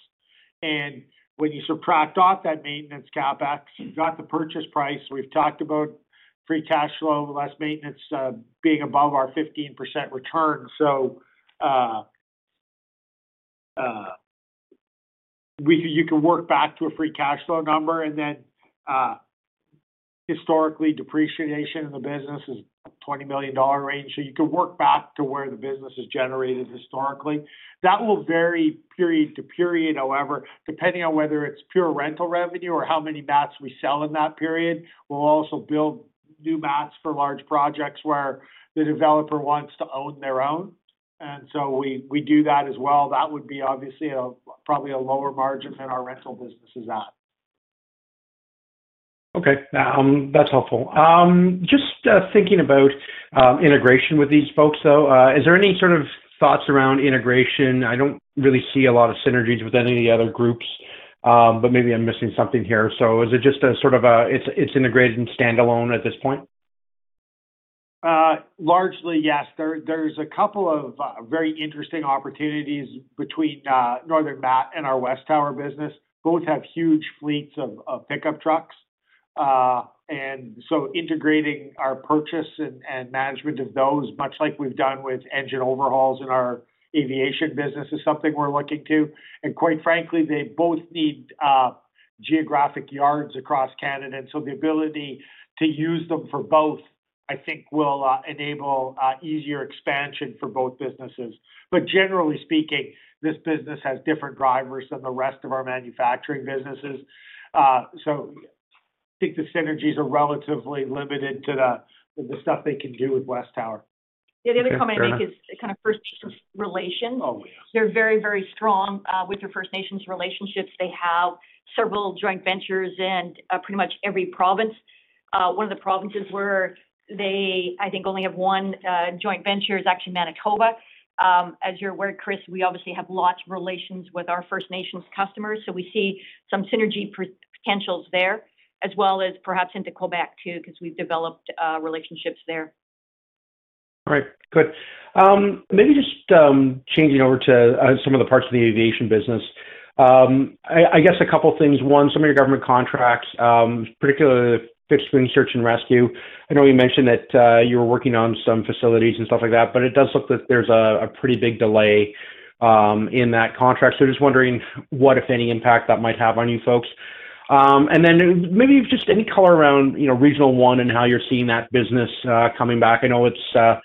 When you subtract off that maintenance CapEx, you've got the purchase price. We've talked about free cash flow less maintenance being above our 15% return. You can work back to a free cash flow number, and then historically, depreciation in the business is 20 million-dollar range. You could work back to where the business is generated historically. That will vary period to period, however, depending on whether it's pure rental revenue or how many mats we sell in that period. We'll also build new mats for large projects where the developer wants to own their own. We do that as well. That would be obviously a probably a lower margin than our rental business is at. Okay. That's helpful. Just thinking about integration with these folks, though. Is there any sort of thoughts around integration? I don't really see a lot of synergies with any of the other groups, but maybe I'm missing something here. Is it just a sort of a it's integrated and stand-alone at this point? Largely, yes. There's a couple of very interesting opportunities between Northern Mat and our WesTower Communications business. Both have huge fleets of pickup trucks. Integrating our purchase and management of those, much like we've done with engine overhauls in our aviation business, is something we're looking to. Quite frankly, they both need geographic yards across Canada, and so the ability to use them for both, I think, will enable easier expansion for both businesses. Generally speaking, this business has different drivers than the rest of our manufacturing businesses. I think the synergies are relatively limited to the stuff they can do with WesTower Communications. Okay, fair enough. The other comment I'd make is kind of First Nations relation. They're very, very strong with their First Nations relationships. They have several joint ventures in pretty much every province. One of the provinces where they, I think, only have one joint venture is actually Manitoba. As you're aware, Chris, we obviously have lots of relations with our First Nations customers, so we see some synergy potentials there, as well as perhaps into Québec too, 'cause we've developed relationships there. All right. Good. Maybe just changing over to some of the parts of the aviation business. I guess a couple things. One, some of your government contracts, particularly fixed-wing search and rescue. I know you mentioned that you were working on some facilities and stuff like that, but it does look that there's a pretty big delay in that contract. Just wondering what, if any, impact that might have on you folks. Then maybe just any color around, you know, Regional One and how you're seeing that business coming back. I know it's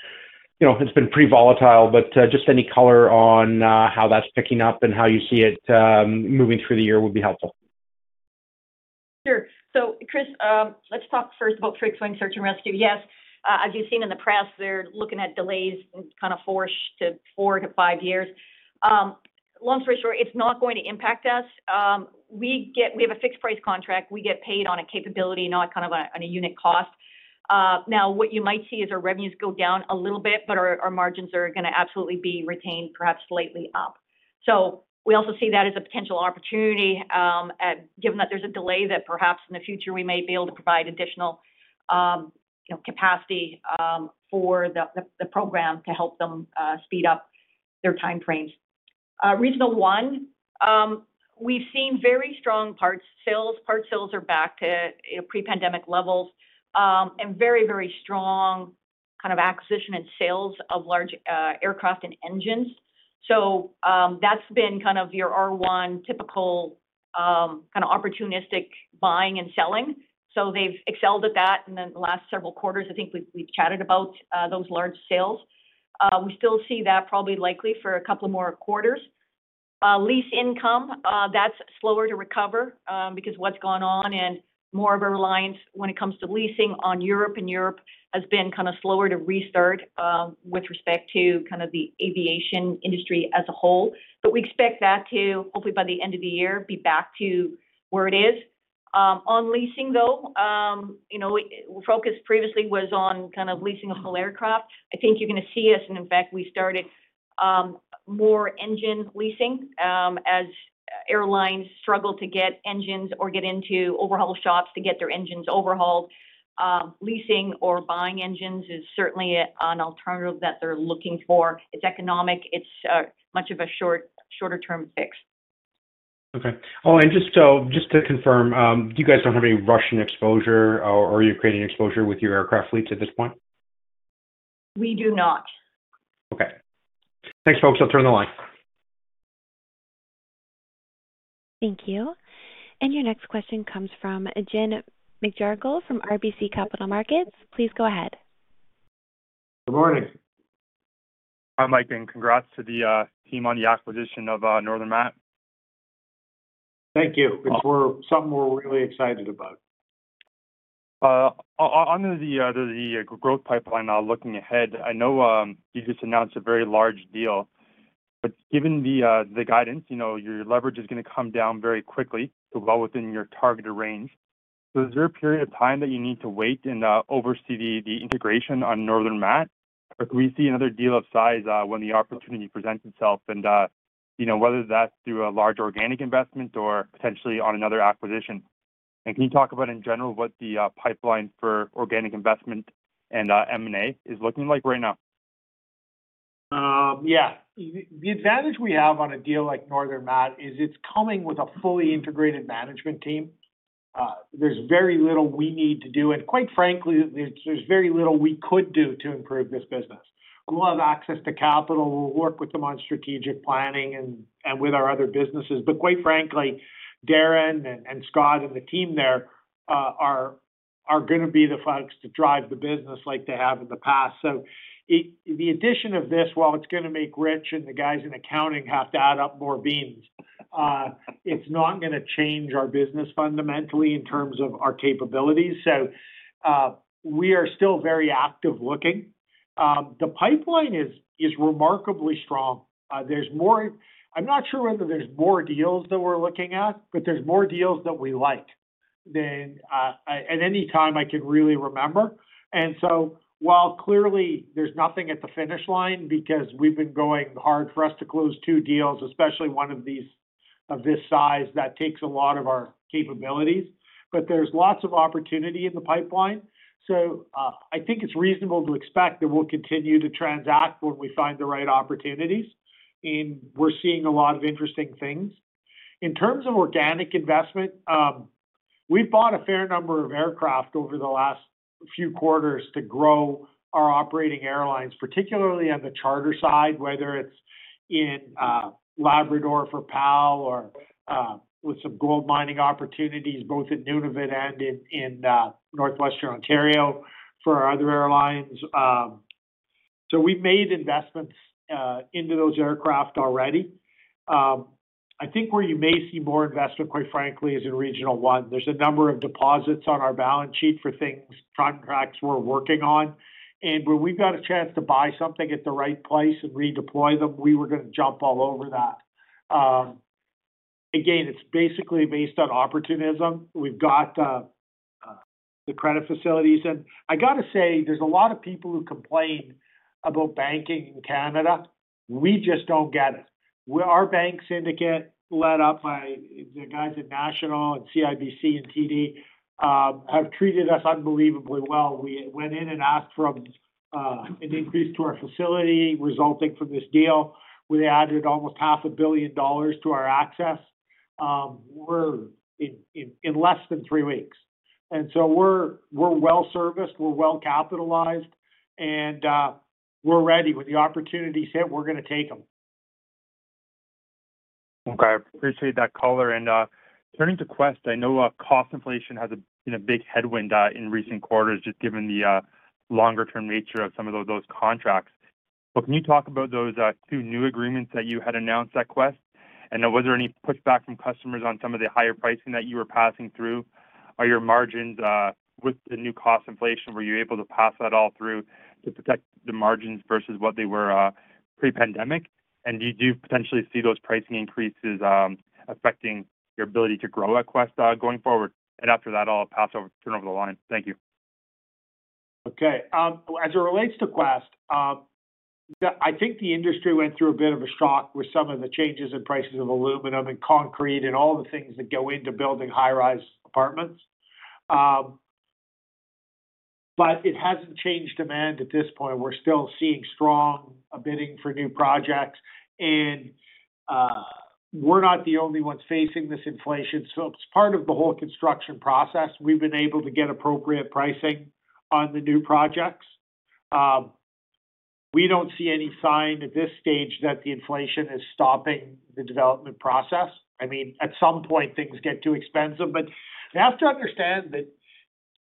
you know, it's been pretty volatile, but just any color on how that's picking up and how you see it moving through the year would be helpful. Sure. Chris, let's talk first about fixed-wing search and rescue. Yes, as you've seen in the press, they're looking at delays kind of four to five years. Long story short, it's not going to impact us. We have a fixed price contract. We get paid on a capability, not kind of a, on a unit cost. Now what you might see is our revenues go down a little bit, but our margins are gonna absolutely be retained, perhaps slightly up. We also see that as a potential opportunity, given that there's a delay that perhaps in the future we may be able to provide additional, you know, capacity for the program to help them speed up their time frames. Regional One, we've seen very strong parts sales. Parts sales are back to, you know, pre-pandemic levels. Very, very strong kind of acquisition and sales of large, aircraft and engines. That's been kind of your R1 typical, kinda opportunistic buying and selling. They've excelled at that in the last several quarters. I think we've chatted about those large sales. We still see that probably likely for a couple more quarters. Lease income, that's slower to recover, because what's gone on and more of a reliance when it comes to leasing on Europe, and Europe has been kinda slower to restart, with respect to kind of the aviation industry as a whole. We expect that to, hopefully by the end of the year, be back to where it is. On leasing, though, you know, focus previously was on kind of leasing a whole aircraft. I think you're gonna see us, and in fact, we started more engine leasing, as airlines struggle to get engines or get into overhaul shops to get their engines overhauled. Leasing or buying engines is certainly an alternative that they're looking for. It's economic. It's much more of a shorter-term fix. Okay. Oh, just to confirm, you guys don't have any Russian exposure or Ukrainian exposure with your aircraft fleets at this point? We do not. Okay. Thanks, folks. I'll turn the line. Thank you. Your next question comes from James McGarragle from RBC Capital Markets. Please go ahead. Good morning. Hi, Mike, and congrats to the team on the acquisition of Northern Mat. Thank you. It's something we're really excited about. On to the growth pipeline now looking ahead, I know, you just announced a very large deal. Given the guidance, you know, your leverage is gonna come down very quickly to well within your targeted range. Is there a period of time that you need to wait and oversee the integration on Northern Mat? Or could we see another deal of size when the opportunity presents itself and, you know, whether that's through a large organic investment or potentially on another acquisition? Can you talk about in general what the pipeline for organic investment and M&A is looking like right now? Yeah. The advantage we have on a deal like Northern Mat is it's coming with a fully integrated management team. There's very little we need to do, and quite frankly, there's very little we could do to improve this business. We'll have access to capital. We'll work with them on strategic planning and with our other businesses. Quite frankly, Darren and Scott and the team there are gonna be the folks to drive the business like they have in the past. The addition of this, while it's gonna make Rich and the guys in accounting have to add up more beans, it's not gonna change our business fundamentally in terms of our capabilities. We are still very active looking. The pipeline is remarkably strong. There's more. I'm not sure whether there's more deals that we're looking at, but there's more deals that we like than at any time I can really remember. While clearly there's nothing at the finish line because we've been going hard for us to close two deals, especially one of these of this size, that takes a lot of our capabilities, but there's lots of opportunity in the pipeline. I think it's reasonable to expect that we'll continue to transact when we find the right opportunities, and we're seeing a lot of interesting things. In terms of organic investment, we've bought a fair number of aircraft over the last few quarters to grow our operating airlines, particularly on the charter side, whether it's in Labrador for PAL or with some gold mining opportunities both in Nunavut and in Northwestern Ontario for our other airlines. We've made investments into those aircraft already. I think where you may see more investment, quite frankly, is in Regional One. There's a number of deposits on our balance sheet for things, contracts we're working on. When we've got a chance to buy something at the right price and redeploy them, we were gonna jump all over that. Again, it's basically based on opportunism. We've got the credit facilities. I gotta say, there's a lot of people who complain about banking in Canada. We just don't get it. Our bank syndicate, led by the guys at National and CIBC and TD, have treated us unbelievably well. We went in and asked for an increase to our facility resulting from this deal. We added almost 500,00 million dollars to our access in less than three weeks. We're well-serviced, we're well-capitalized, and we're ready. When the opportunities hit, we're gonna take them. Okay. I appreciate that color. Turning to Quest, I know cost inflation has, you know, been a big headwind in recent quarters, just given the longer term nature of some of those contracts. But can you talk about those two new agreements that you had announced at Quest? And then was there any pushback from customers on some of the higher pricing that you were passing through? Are your margins, with the new cost inflation, were you able to pass that all through to protect the margins versus what they were pre-pandemic? And do you potentially see those pricing increases affecting your ability to grow at Quest going forward? And after that, I'll turn over the line. Thank you. Okay. As it relates to Quest, I think the industry went through a bit of a shock with some of the changes in prices of aluminum and concrete and all the things that go into building high-rise apartments. It hasn't changed demand at this point. We're still seeing strong bidding for new projects, and we're not the only ones facing this inflation, so it's part of the whole construction process. We've been able to get appropriate pricing on the new projects. We don't see any sign at this stage that the inflation is stopping the development process. I mean, at some point, things get too expensive. You have to understand that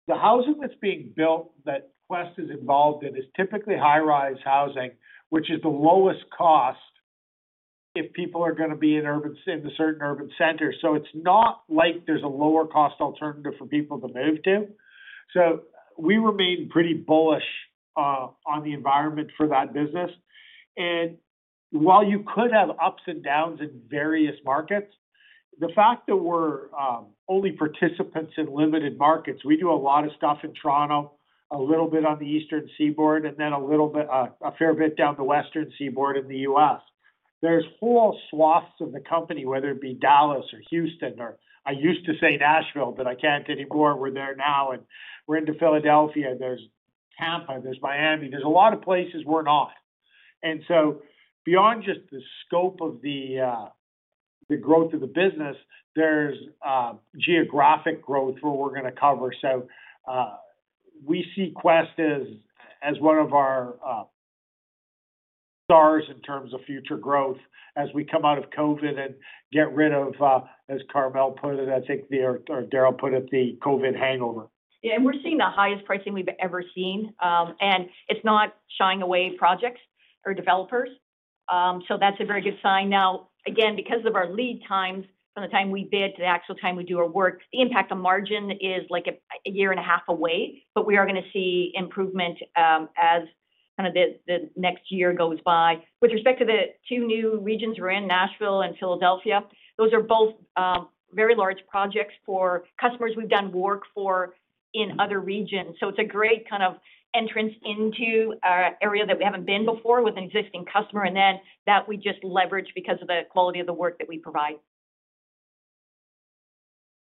the housing that's being built that Quest is involved in is typically high-rise housing, which is the lowest cost if people are gonna be in certain urban centers. It's not like there's a lower cost alternative for people to move to. We remain pretty bullish on the environment for that business. While you could have ups and downs in various markets, the fact that we're only participants in limited markets, we do a lot of stuff in Toronto, a little bit on the Eastern Seaboard, and then a fair bit down the Western Seaboard in the U.S. There's whole swaths of the country, whether it be Dallas or Houston or I used to say Nashville, but I can't anymore. We're there now, and we're into Philadelphia. There's Tampa, there's Miami, there's a lot of places we're not. Beyond just the scope of the growth of the business, there's geographic growth where we're gonna cover. We see Quest as one of our stars in terms of future growth as we come out of COVID and get rid of, as Carmele put it, I think, or Darryl put it, the COVID hangover. Yeah. We're seeing the highest pricing we've ever seen. It's not shying away from projects or developers. That's a very good sign. Now, again, because of our lead times from the time we bid to the actual time we do our work, the impact on margin is like a year and a half away. We are gonna see improvement as kinda the next year goes by. With respect to the two new regions we're in, Nashville and Philadelphia, those are both very large projects for customers we've done work for in other regions. It's a great kind of entrance into an area that we haven't been before with an existing customer, and then that we just leverage because of the quality of the work that we provide.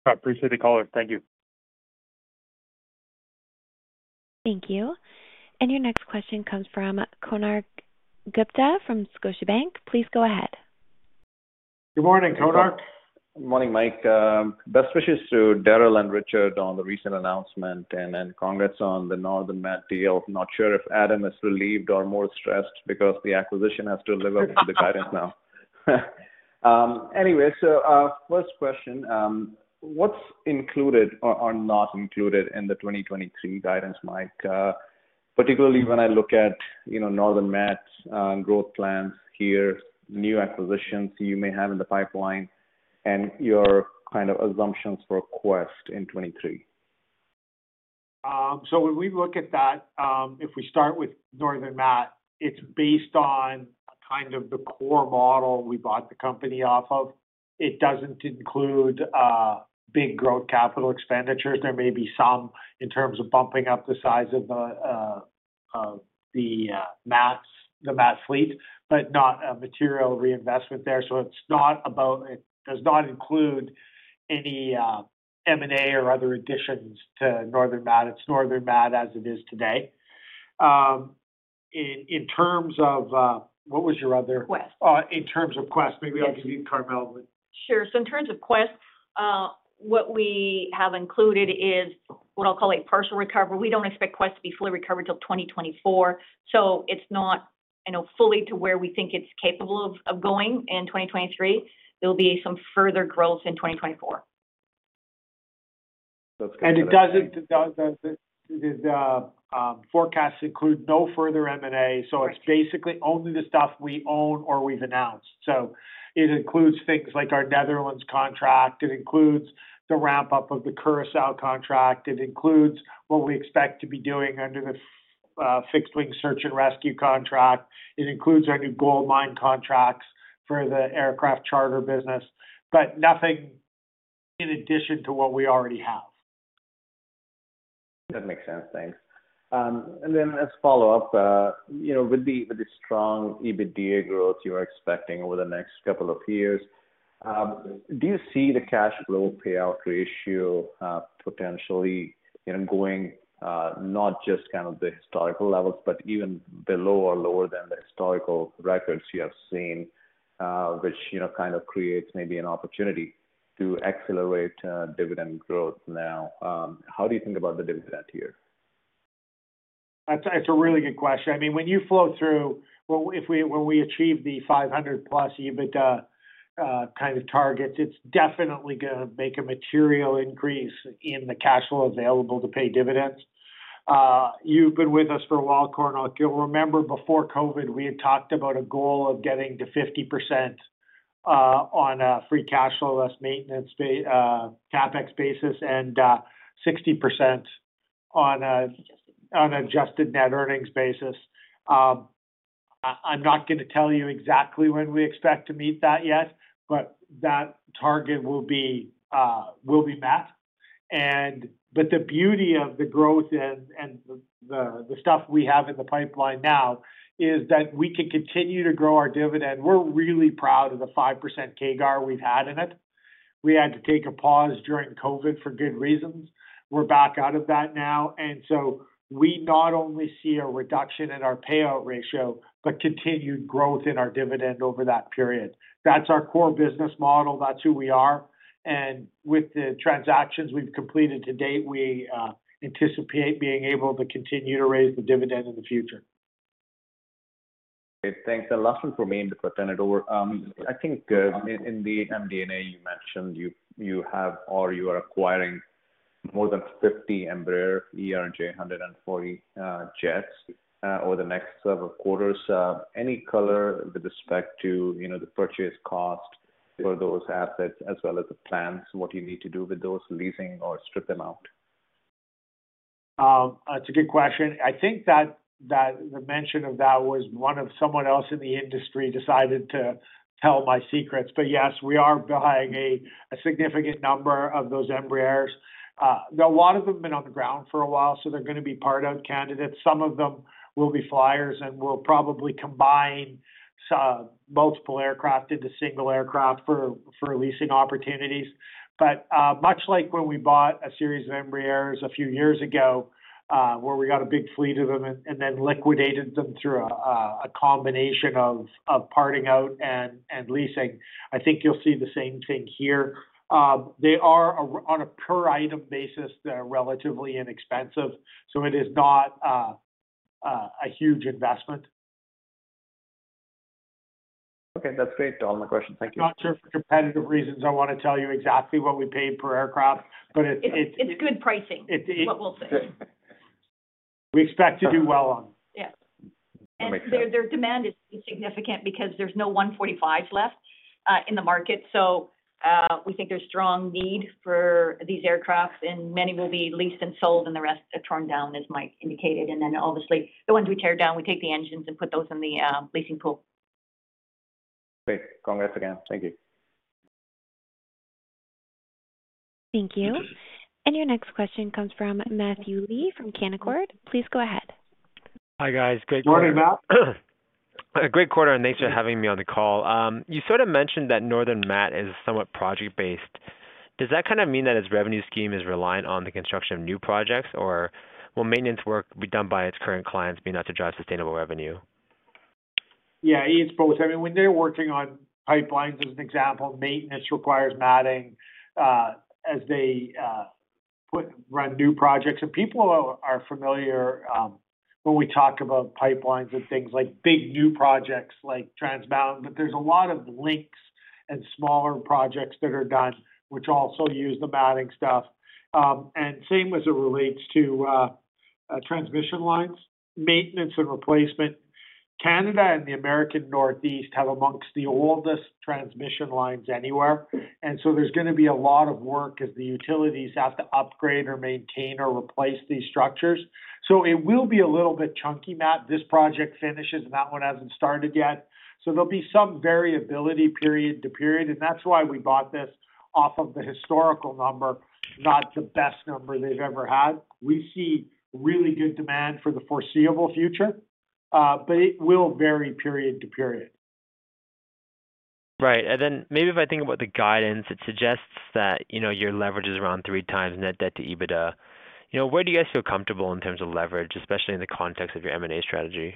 I appreciate the color. Thank you. Thank you. Your next question comes from Konark Gupta from Scotiabank. Please go ahead. Good morning, Konark. Morning, Mike. Best wishes to Darryl and Richard on the recent announcement, and then congrats on the Northern Mat deal. Not sure if Adam is relieved or more stressed because the acquisition has to live up to the guidance now. Anyway, first question, what's included or not included in the 2023 guidance, Mike? Particularly when I look at, you know, Northern Mat's growth plans here, new acquisitions you may have in the pipeline, and your kind of assumptions for Quest in 2023. When we look at that, if we start with Northern Mat, it's based on kind of the core model we bought the company off of. It doesn't include big growth capital expenditures. There may be some in terms of bumping up the size of the mats, the mat fleet, but not a material reinvestment there. It does not include any M&A or other additions to Northern Mat. It's Northern Mat as it is today. In terms of what was your other- Quest. In terms of Quest, maybe I'll give you Carmele. Sure. In terms of Quest, what we have included is what I'll call a partial recovery. We don't expect Quest to be fully recovered till 2024, so it's not, you know, fully to where we think it's capable of going in 2023. There'll be some further growth in 2024. It does forecast include no further M&A. It's basically only the stuff we own or we've announced. It includes things like our Netherlands contract. It includes the ramp-up of the Curaçao contract. It includes what we expect to be doing under the fixed wing search and rescue contract. It includes our new goldmine contracts for the aircraft charter business, but nothing in addition to what we already have. That makes sense. Thanks. As follow-up, you know, with the strong EBITDA growth you are expecting over the next couple of years, do you see the cash flow payout ratio, potentially, you know, going, not just kind of the historical levels, but even below or lower than the historical records you have seen, which, you know, kind of creates maybe an opportunity to accelerate, dividend growth now? How do you think about the dividend here? That's a really good question. I mean, when you flow through, when we achieve the 500 plus EBITDA kind of targets, it's definitely gonna make a material increase in the cash flow available to pay dividends. You've been with us for a while, Konark. You'll remember before COVID, we had talked about a goal of getting to 50%, on a free cash flow less maintenance CapEx basis and 60% on a- Adjusted... on adjusted net earnings basis. I'm not gonna tell you exactly when we expect to meet that yet, but that target will be met. But the beauty of the growth and the stuff we have in the pipeline now is that we can continue to grow our dividend. We're really proud of the 5% CAGR we've had in it. We had to take a pause during COVID-19 for good reasons. We're back out of that now, so we not only see a reduction in our payout ratio, but continued growth in our dividend over that period. That's our core business model, that's who we are. With the transactions we've completed to date, we anticipate being able to continue to raise the dividend in the future. Great. Thanks. The last one from me and to pass it over. I think in the MD&A you mentioned you have or you are acquiring more than 50 Embraer ERJ 140 jets over the next several quarters. Any color with respect to, you know, the purchase cost for those assets as well as the plans, what you need to do with those leasing or strip them out? That's a good question. I think that the mention of that was when someone else in the industry decided to tell my secrets. Yes, we are buying a significant number of those Embraers. A lot of them have been on the ground for a while, so they're gonna be part-out candidates. Some of them will be flyers, and we'll probably combine multiple aircraft into single aircraft for leasing opportunities. Much like when we bought a series of Embraers a few years ago, where we got a big fleet of them and then liquidated them through a combination of parting out and leasing. I think you'll see the same thing here. They are on a per item basis relatively inexpensive, so it is not a huge investment. Okay. That's great. All my questions. Thank you. Not sure for competitive reasons, I wanna tell you exactly what we paid per aircraft, but it's. It's good pricing. It, it- Is what we'll say. We expect to do well on. Yeah. That makes sense. Their demand is significant because there's no ERJ 145 left in the market. We think there's strong need for these aircrafts, and many will be leased and sold and the rest are torn down, as Mike indicated. Obviously the ones we tear down, we take the engines and put those in the leasing pool. Great. Congrats again. Thank you. Thank you. Your next question comes from Matthew Lee from Canaccord. Please go ahead. Hi, guys. Great quarter. Morning, Matt. A great quarter, and thanks for having me on the call. You sort of mentioned that Northern Mat is somewhat project-based. Does that kind of mean that its revenue scheme is reliant on the construction of new projects, or will maintenance work be done by its current clients enough to drive sustainable revenue? Yeah, it's both. I mean, when they're working on pipelines as an example, maintenance requires matting as they run new projects. People are familiar when we talk about pipelines and things like big new projects like Trans Mountain, but there's a lot of kinds and smaller projects that are done which also use the matting stuff. And same as it relates to transmission lines, maintenance and replacement. Canada and the American Northeast have amongst the oldest transmission lines anywhere. There's gonna be a lot of work as the utilities have to upgrade or maintain or replace these structures. It will be a little bit chunky, Matt. This project finishes and that one hasn't started yet. There'll be some variability period to period, and that's why we bought this off of the historical number, not the best number they've ever had. We see really good demand for the foreseeable future, but it will vary period to period. Right. Maybe if I think about the guidance, it suggests that, you know, your leverage is around 3x net debt to EBITDA. You know, where do you guys feel comfortable in terms of leverage, especially in the context of your M&A strategy?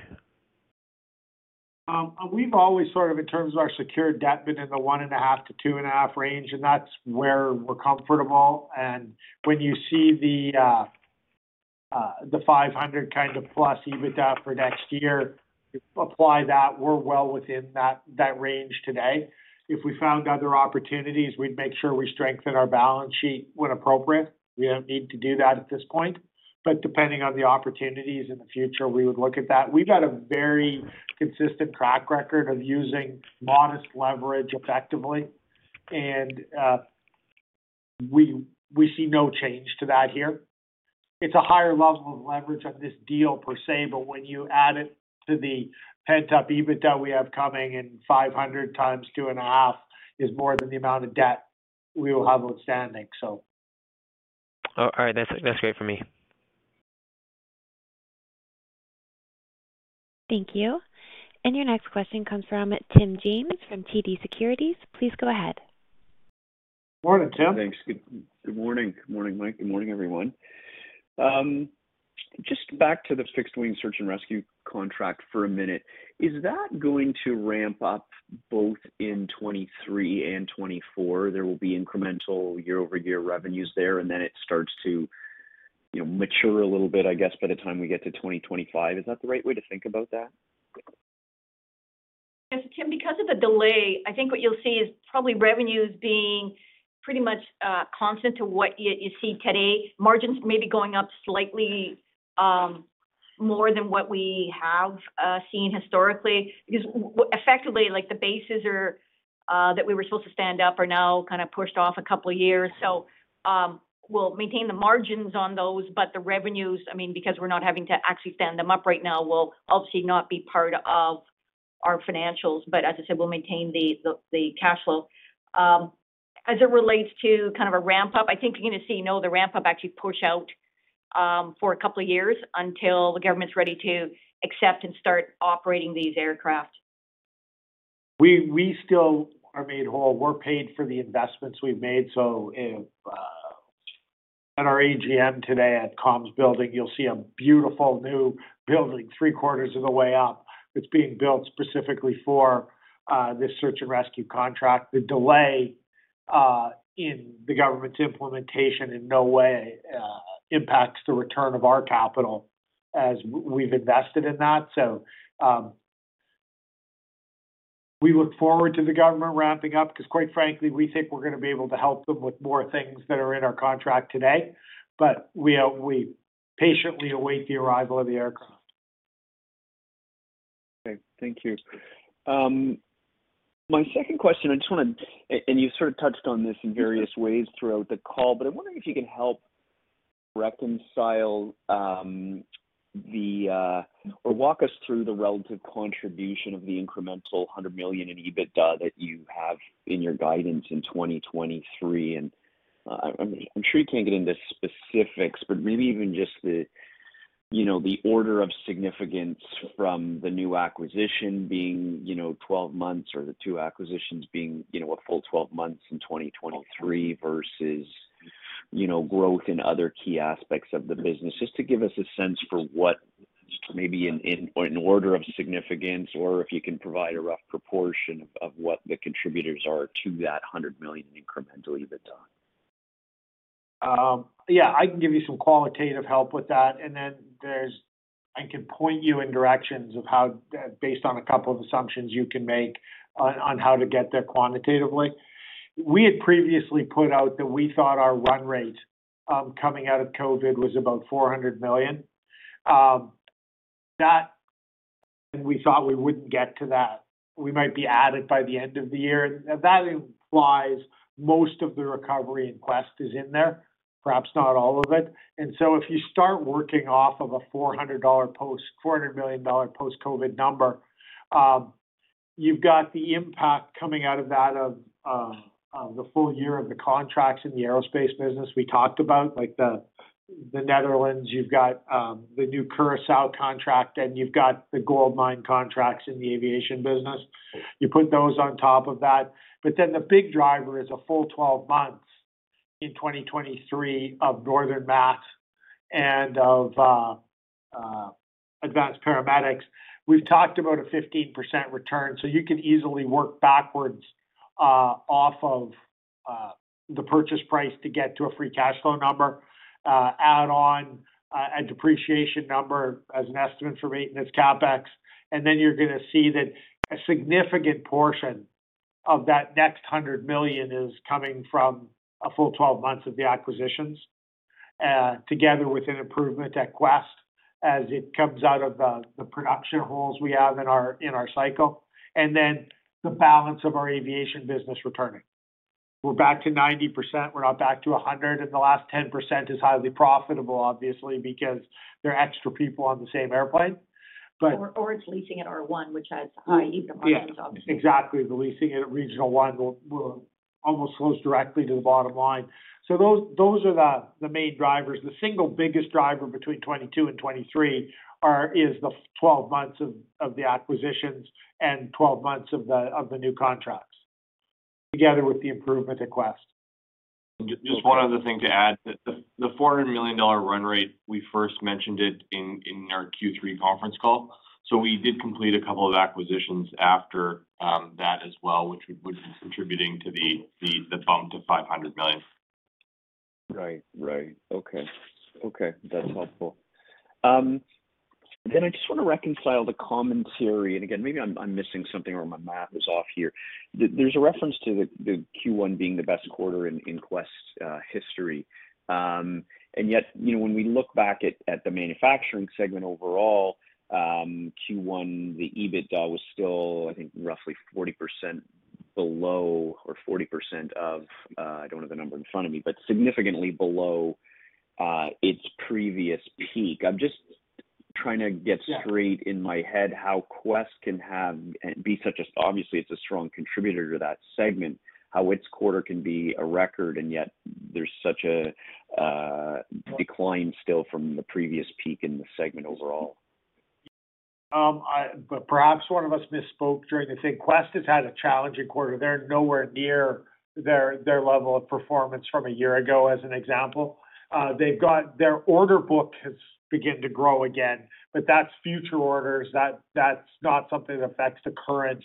We've always sort of, in terms of our secured debt, been in the 1.5x-2.5x range, and that's where we're comfortable. When you see the 500 plus EBITDA for next year, apply that, we're well within that range today. If we found other opportunities, we'd make sure we strengthen our balance sheet when appropriate. We don't need to do that at this point. Depending on the opportunities in the future, we would look at that. We've got a very consistent track record of using modest leverage effectively, and we see no change to that here. It's a higher level of leverage on this deal per se, but when you add it to the pent-up EBITDA we have coming in, 500 times 2.5 is more than the amount of debt we will have outstanding, so. All right. That's great for me. Thank you. Your next question comes from Tim James from TD Securities. Please go ahead. Morning, Tim. Thanks. Good morning, Good morning Mike. Good morning, everyone. Just back to the fixed wing search and rescue contract for a minute. Is that going to ramp up both in 2023 and 2024? There will be incremental year-over-year revenues there, and then it starts to, you know, mature a little bit, I guess, by the time we get to 2025. Is that the right way to think about that? Yes, Tim, because of the delay, I think what you'll see is probably revenues being pretty much constant to what you see today. Margins may be going up slightly, more than what we have seen historically. Effectively, like, the bases that we were supposed to stand up are now kind of pushed off a couple of years. We'll maintain the margins on those, but the revenues, I mean, because we're not having to actually stand them up right now, will obviously not be part of our financials. As I said, we'll maintain the cash flow. As it relates to kind of a ramp-up, I think you're gonna see, you know, the ramp-up actually push out for a couple of years until the government's ready to accept and start operating these aircraft. We still are made whole. We're paid for the investments we've made. If on our AGM today at Comms Building, you'll see a beautiful new building three-quarters of the way up. It's being built specifically for this search and rescue contract. The delay in the government's implementation in no way impacts the return of our capital as we've invested in that. We look forward to the government ramping up 'cause quite frankly, we think we're gonna be able to help them with more things that are in our contract today. We patiently await the arrival of the aircraft. Okay, thank you. My second question, I just wanna, and you sort of touched on this in various ways throughout the call, but I'm wondering if you can help reconcile or walk us through the relative contribution of the incremental 100 million in EBITDA that you have in your guidance in 2023. I'm sure you can't get into specifics, but maybe even just the, you know, the order of significance from the new acquisition being, you know, 12 months or the two acquisitions being, you know, a full 12 months in 2023 versus, you know, growth in other key aspects of the business. Just to give us a sense for what maybe in order of significance or if you can provide a rough proportion of what the contributors are to that 100 million in incremental EBITDA. Yeah, I can give you some qualitative help with that. I can point you in directions of how based on a couple of assumptions you can make on how to get there quantitatively. We had previously put out that we thought our run rate coming out of COVID-19 was about 400 million. We thought we wouldn't get to that. We might be at it by the end of the year. That implies most of the recovery in Quest is in there, perhaps not all of it. If you start working off of a 400 million dollar post-COVID-19 number, you've got the impact coming out of that of the full year of the contracts in the aerospace business we talked about, like the Netherlands. You've got the new Curaçao contract, and you've got the goldmine contracts in the aviation business. You put those on top of that. The big driver is a full 12 months in 2023 of Northern Mat and of Advanced Paramedic. We've talked about a 15% return, so you can easily work backwards off of the purchase price to get to a free cash flow number, add on a depreciation number as an estimate for maintenance CapEx. You're gonna see that a significant portion of that next 100 million is coming from a full 12 months of the acquisitions, together with an improvement at Quest as it comes out of the production holes we have in our cycle, and then the balance of our aviation business returning. We're back to 90%, we're not back to 100%, and the last 10% is highly profitable, obviously, because they're extra people on the same airplane, but. It's leasing at R1, which has high economics, obviously. Yeah. Exactly. The leasing at Regional One will almost flow directly to the bottom line. Those are the main drivers. The single biggest driver between 2022 and 2023 is the full 12 months of the acquisitions and 12 months of the new contracts, together with the improvement at Quest. Just one other thing to add, that the 400 million dollar run rate, we first mentioned it in our Q3 conference call. We did complete a couple of acquisitions after that as well, which is contributing to the bump to 500 million. Right. Okay, that's helpful. I just want to reconcile the commentary, and again, maybe I'm missing something or my math is off here. There's a reference to the Q1 being the best quarter in Quest history. Yet, you know, when we look back at the manufacturing segment overall, Q1, the EBITDA was still, I think, roughly 40% below or 40% of. I don't have the number in front of me, but significantly below its previous peak. I'm just trying to get. Yeah. Straight in my head how Quest can have and be such a obviously it's a strong contributor to that segment, how its quarter can be a record, and yet there's such a decline still from the previous peak in the segment overall. Perhaps one of us misspoke during the thing. Quest has had a challenging quarter. They're nowhere near their level of performance from a year ago, as an example. They've got their order book has begin to grow again, but that's future orders. That's not something that affects the current,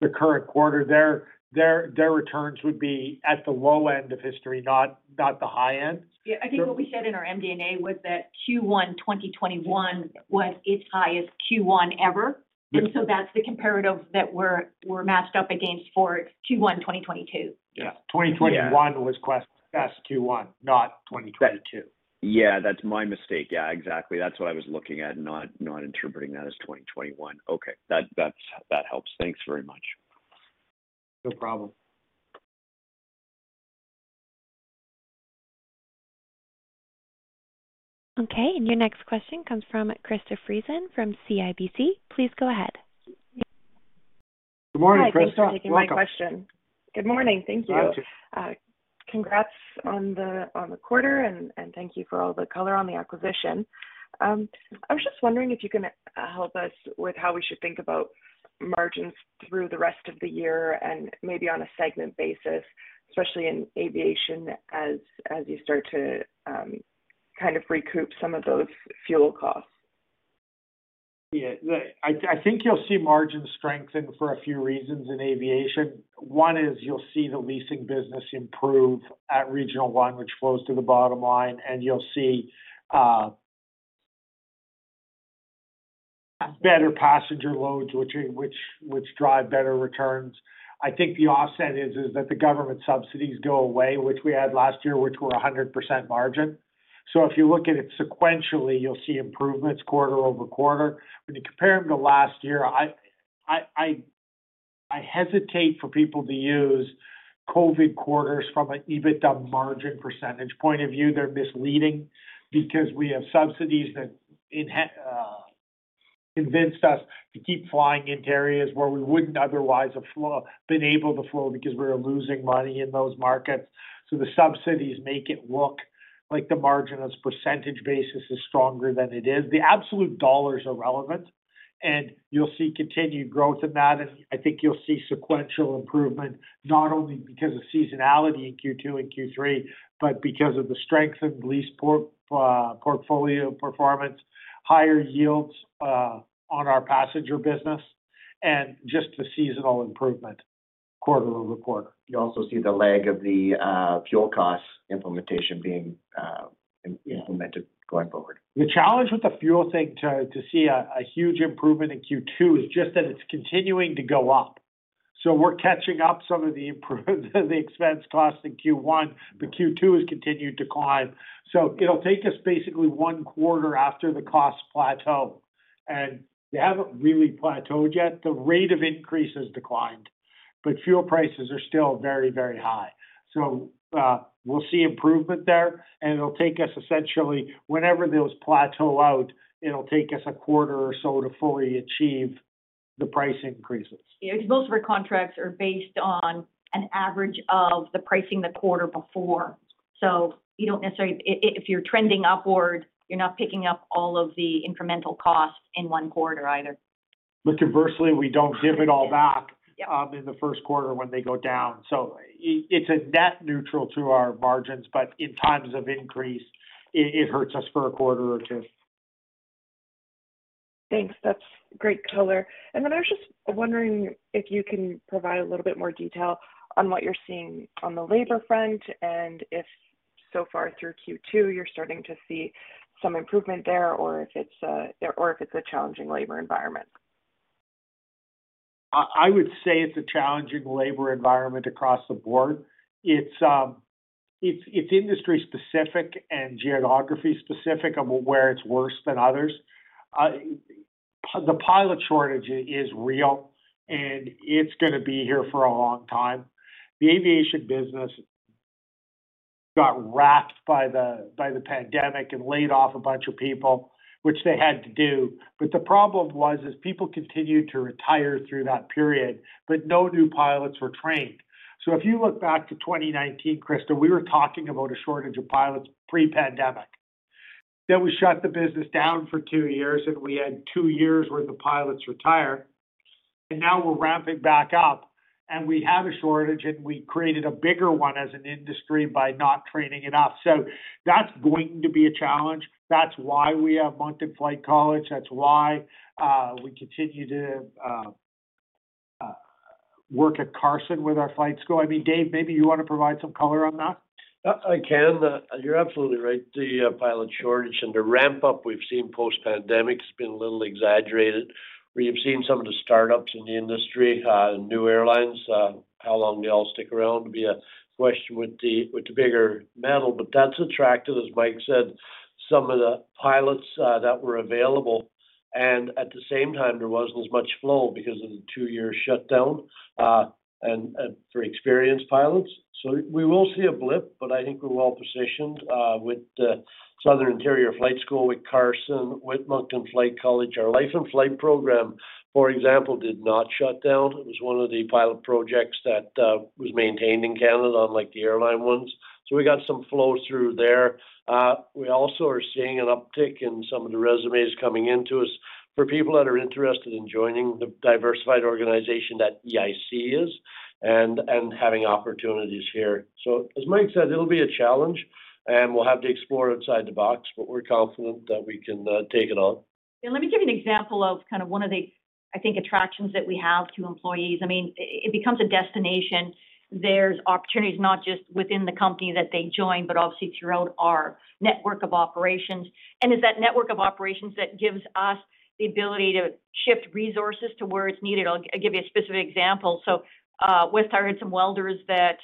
the current quarter. Their returns would be at the low end of history, not the high end. Yeah. I think what we said in our MD&A was that Q1 2021 was its highest Q1 ever. Yeah. That's the comparative that we're matched up against for Q1 2022. Yeah. Yeah. 2021 was Quest's best Q1, not 2022. Yeah, that's my mistake. Yeah, exactly. That's what I was looking at, not interpreting that as 2021. Okay. That helps. Thanks very much. No problem. Okay. Your next question comes from Krista Friesen from CIBC. Please go ahead. Good morning, Krista. Welcome. Hi. Thanks for taking my question. Good morning. Thank you. Good morning to you. Congrats on the quarter, and thank you for all the color on the acquisition. I was just wondering if you can help us with how we should think about margins through the rest of the year and maybe on a segment basis, especially in aviation as you start to kind of recoup some of those fuel costs? I think you'll see margins strengthen for a few reasons in aviation. One is you'll see the leasing business improve at Regional One, which flows to the bottom line. You'll see better passenger loads which drive better returns. I think the offset is that the government subsidies go away, which we had last year, which were 100% margin. If you look at it sequentially, you'll see improvements quarter-over-quarter. When you compare them to last year, I hesitate for people to use COVID quarters from an EBITDA margin percentage point of view. They're misleading because we have subsidies that convinced us to keep flying into areas where we wouldn't otherwise have been able to fly because we were losing money in those markets. The subsidies make it look like the margin on a percentage basis is stronger than it is. The absolute dollars are relevant, and you'll see continued growth in that. I think you'll see sequential improvement, not only because of seasonality in Q2-Q3, but because of the strength of the lease portfolio performance, higher yields on our passenger business, and just the seasonal improvement quarter over quarter. You also see the lag of the fuel costs implementation being implemented going forward. The challenge with the fuel thing to see a huge improvement in Q2 is just that it's continuing to go up. We're catching up some of the expense costs in Q1, but Q2 has continued to climb. It'll take us basically one quarter after the costs plateau. They haven't really plateaued yet. The rate of increase has declined, but fuel prices are still very, very high. We'll see improvement there, and it'll take us essentially, whenever those plateau out, it'll take us a quarter or so to fully achieve the price increases. Yeah. Most of our contracts are based on an average of the pricing the quarter before. You don't necessarily if you're trending upward, you're not picking up all of the incremental costs in one quarter either. Conversely, we don't give it all back. Yeah. In the first quarter when they go down. It's a net neutral to our margins, but in times of increase, it hurts us for a quarter or two. Thanks. That's great color. Then I was just wondering if you can provide a little bit more detail on what you're seeing on the labor front and if so far through Q2, you're starting to see some improvement there, or if it's a challenging labor environment. I would say it's a challenging labor environment across the board. It's industry specific and geography specific of where it's worse than others. The pilot shortage is real, and it's gonna be here for a long time. The aviation business got whacked by the pandemic and laid off a bunch of people, which they had to do. The problem was people continued to retire through that period, but no new pilots were trained. If you look back to 2019, Krista, we were talking about a shortage of pilots pre-pandemic. We shut the business down for two years, and we had two years where the pilots retired. Now we're ramping back up, and we have a shortage, and we created a bigger one as an industry by not training enough. That's going to be a challenge. That's why we have Moncton Flight College. That's why we continue to work at Carson with our flight school. I mean, Dave, maybe you wanna provide some color on that. I can. You're absolutely right. The pilot shortage and the ramp up we've seen post-pandemic has been a little exaggerated. We have seen some of the startups in the industry, new airlines. How long they all stick around would be a question with the bigger metal. That's attracted, as Mike said, some of the pilots that were available. At the same time, there wasn't as much flow because of the two-year shutdown, and for experienced pilots. We will see a blip, but I think we're well-positioned with the Southern Interior Flight Centre, with Carson, with Moncton Flight College. Our Life After Flight program, for example, did not shut down. It was one of the pilot projects that was maintained in Canada, unlike the airline ones. We got some flow through there. We also are seeing an uptick in some of the resumes coming into us for people that are interested in joining the diversified organization that EIC is and having opportunities here. As Mike said, it'll be a challenge, and we'll have to explore outside the box, but we're confident that we can take it on. Let me give you an example of kind of one of the, I think, attractions that we have to employees. I mean, it becomes a destination. There's opportunities not just within the company that they join, but obviously throughout our network of operations. It's that network of operations that gives us the ability to shift resources to where it's needed. I'll give you a specific example. WesTower Communications had some welders that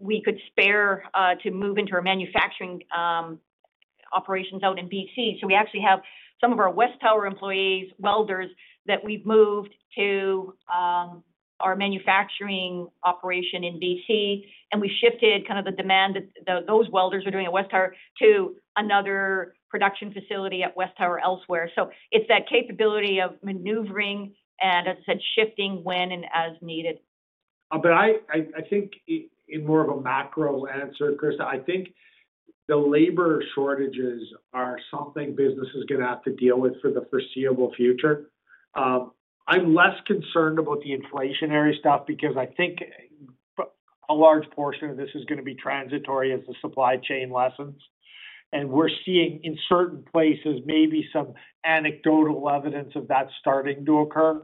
we could spare to move into our manufacturing operations out in BC. We actually have some of our WesTower Communications employees, welders, that we've moved to our manufacturing operation in BC. We shifted kind of the demand that those welders were doing at WesTower Communications to another production facility at WesTower Communications elsewhere. It's that capability of maneuvering and, as I said, shifting when and as needed. I think in more of a macro answer, Krista, I think the labor shortages are something business is gonna have to deal with for the foreseeable future. I'm less concerned about the inflationary stuff because I think a large portion of this is gonna be transitory as the supply chain lessens. We're seeing in certain places maybe some anecdotal evidence of that starting to occur.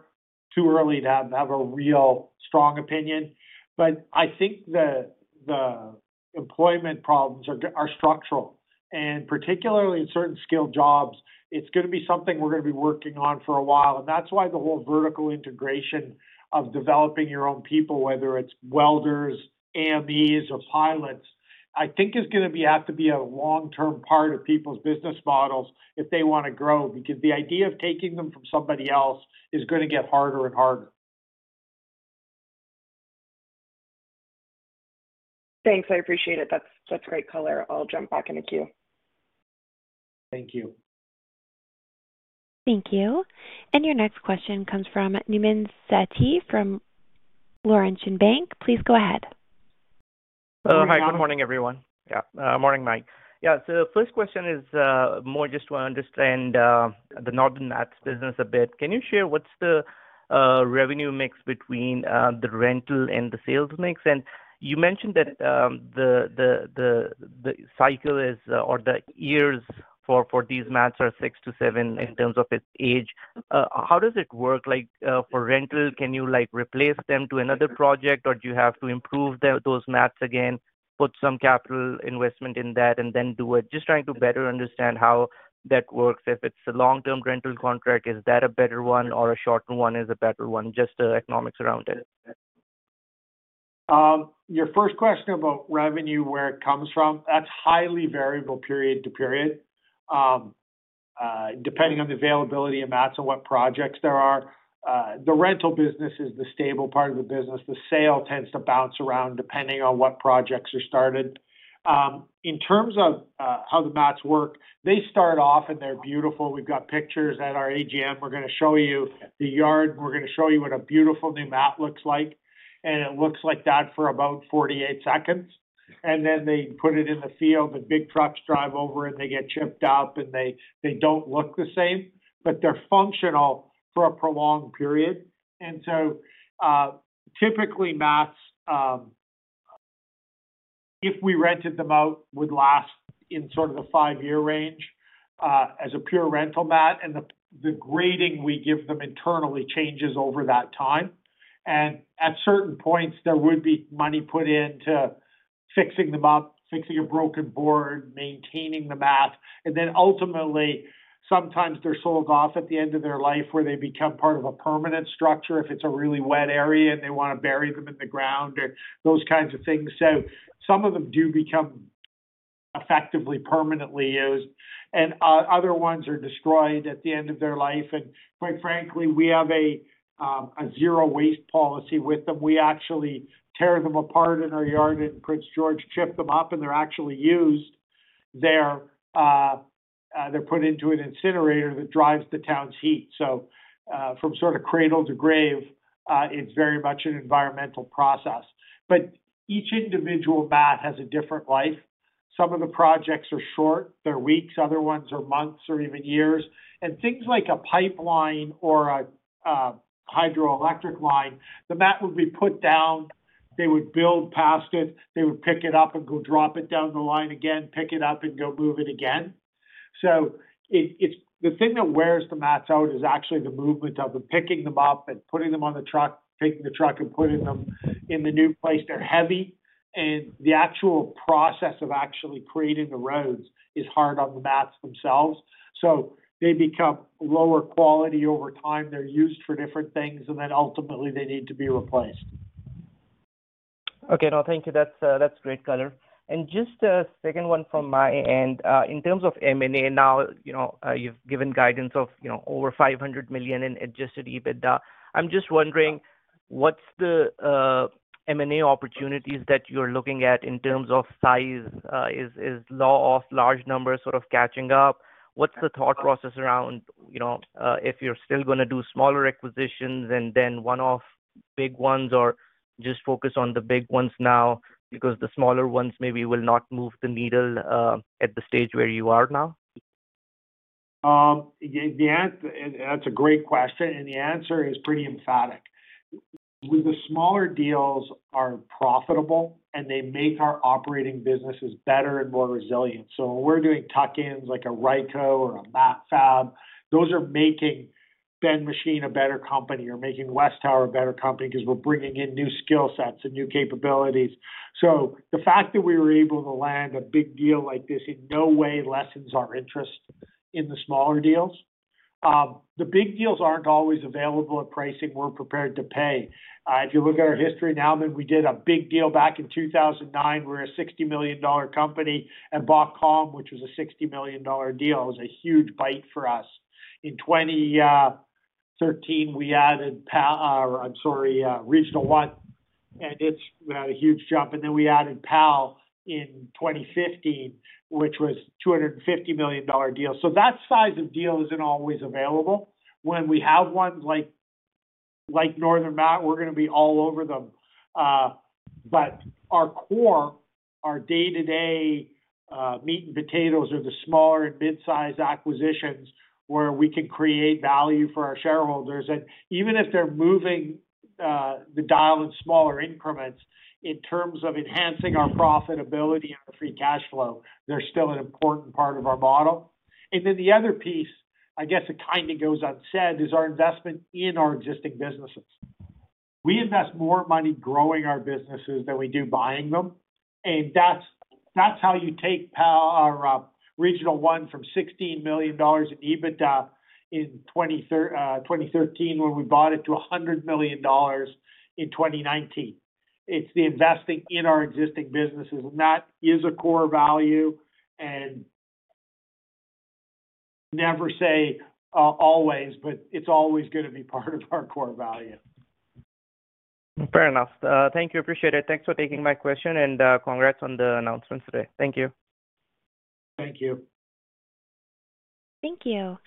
Too early to have a real strong opinion. I think the employment problems are structural. Particularly in certain skilled jobs, it's gonna be something we're gonna be working on for a while. That's why the whole vertical integration of developing your own people, whether it's welders, AME or pilots, I think is gonna have to be a long-term part of people's business models if they wanna grow, because the idea of taking them from somebody else is gonna get harder and harder. Thanks. I appreciate it. That's great color. I'll jump back in the queue. Thank you. Thank you. Your next question comes from Nauman Satti from Laurentian Bank. Please go ahead. Hi, good morning, everyone. Morning, Mike. The first question is more just to understand the Northern Mat business a bit. Can you share what's the revenue mix between the rental and the sales mix? You mentioned that the cycle is, or the years for these mats are six to seven in terms of its age. How does it work? Like, for rental, can you like replace them to another project, or do you have to improve those mats again, put some capital investment in that and then do it? Just trying to better understand how that works. If it's a long-term rental contract, is that a better one or a shorter one is a better one? Just the economics around it. Your first question about revenue, where it comes from, that's highly variable period to period, depending on the availability of mats and what projects there are. The rental business is the stable part of the business. The sale tends to bounce around depending on what projects are started. In terms of how the mats work, they start off and they're beautiful. We've got pictures at our AGM. We're gonna show you the yard, and we're gonna show you what a beautiful new mat looks like. It looks like that for about 48 seconds. They put it in the field, and big trucks drive over it, and they get chipped up and they don't look the same, but they're functional for a prolonged period. Typically, mats, if we rented them out, would last in sort of the five-year range, as a pure rental mat. The grading we give them internally changes over that time. At certain points, there would be money put into fixing them up, fixing a broken board, maintaining the mat. Ultimately, sometimes they're sold off at the end of their life where they become part of a permanent structure, if it's a really wet area and they wanna bury them in the ground or those kinds of things. Some of them do become effectively permanently used, and other ones are destroyed at the end of their life. Quite frankly, we have a zero waste policy with them. We actually tear them apart in our yard in Prince George, chip them up, and they're actually used. They're put into an incinerator that drives the town's heat. From sort of cradle to grave, it's very much an environmental process. Each individual mat has a different life. Some of the projects are short, they're weeks, other ones are months or even years. Things like a pipeline or a hydroelectric line, the mat would be put down, they would build past it, they would pick it up and go drop it down the line again, pick it up and go move it again. It's the thing that wears the mats out is actually the movement of the picking them up and putting them on the truck, taking the truck and putting them in the new place. They're heavy, and the actual process of actually creating the roads is hard on the mats themselves. They become lower quality over time. They're used for different things, and then ultimately they need to be replaced. Okay. No, thank you. That's great color. Just a second one from my end. In terms of M&A now, you know, you've given guidance of, you know, over 500 million in adjusted EBITDA. I'm just wondering what's the M&A opportunities that you're looking at in terms of size? Is the law of large numbers sort of catching up? What's the thought process around, you know, if you're still gonna do smaller acquisitions and then one-off big ones or just focus on the big ones now because the smaller ones maybe will not move the needle at the stage where you are now? That's a great question, and the answer is pretty emphatic. With the smaller deals are profitable, and they make our operating businesses better and more resilient. When we're doing tuck-ins like a Ryko or a Macfab, those are making Ben Machine a better company or making WesTower a better company 'cause we're bringing in new skill sets and new capabilities. The fact that we were able to land a big deal like this in no way lessens our interest in the smaller deals. The big deals aren't always available at pricing we're prepared to pay. If you look at our history now, I mean, we did a big deal back in 2009. We were a 60 million dollar company and bought Calm Air, which was a 60 million dollar deal. It was a huge bite for us. In 2013, we added Regional One, and it's a huge jump. We added PAL in 2015, which was a 250 million dollar deal. That size of deal isn't always available. When we have ones like Northern Mat, we're gonna be all over them. Our core, our day-to-day, meat and potatoes are the smaller and mid-size acquisitions where we can create value for our shareholders. Even if they're moving the dial in smaller increments, in terms of enhancing our profitability and our free cash flow, they're still an important part of our model. The other piece, I guess it kinda goes unsaid, is our investment in our existing businesses. We invest more money growing our businesses than we do buying them, and that's how you take PAL or Regional One from 16 million dollars in EBITDA in 2013 when we bought it to 100 million dollars in 2019. It's the investing in our existing businesses. That is a core value and never say always, but it's always gonna be part of our core value. Fair enough. Thank you. Appreciate it. Thanks for taking my question, and congrats on the announcement today. Thank you. Thank you. Thank you.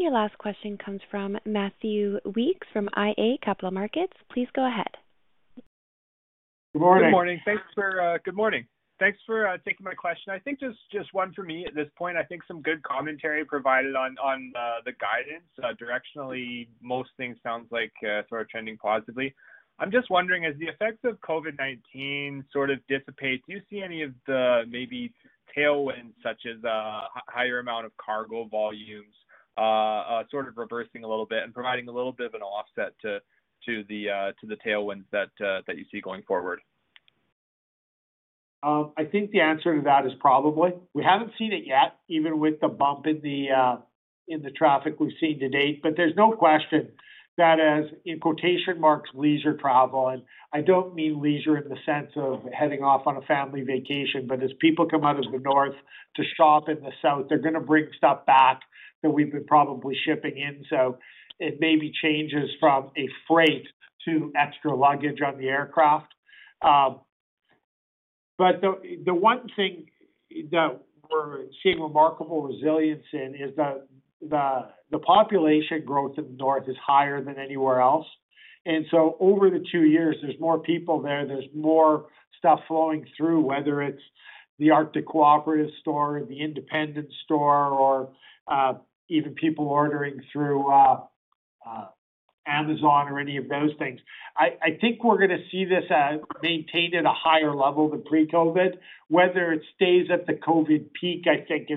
Your last question comes from Matthew Weekes from iA Capital Markets. Please go ahead. Good morning. Good morning. Thanks for taking my question. I think just one for me at this point. I think some good commentary provided on the guidance. Directionally, most things sounds like sort of trending positively. I'm just wondering, as the effects of COVID-19 sort of dissipate, do you see any of the maybe tailwinds such as higher amount of cargo volumes sort of reversing a little bit and providing a little bit of an offset to the tailwinds that you see going forward? I think the answer to that is probably. We haven't seen it yet, even with the bump in the traffic we've seen to date. There's no question that as, in quotation marks, "leisure travel," and I don't mean leisure in the sense of heading off on a family vacation, but as people come out of the North to shop in the South, they're gonna bring stuff back that we've been probably shipping in, so it maybe changes from a freight to extra luggage on the aircraft. The one thing that we're seeing remarkable resilience in is the population growth in the North is higher than anywhere else. Over the two years, there's more people there. There's more stuff flowing through, whether it's the Arctic Co-operatives store or the independent store or, even people ordering through, Amazon or any of those things. I think we're gonna see this, maintained at a higher level than pre-COVID. Whether it stays at the COVID peak, I think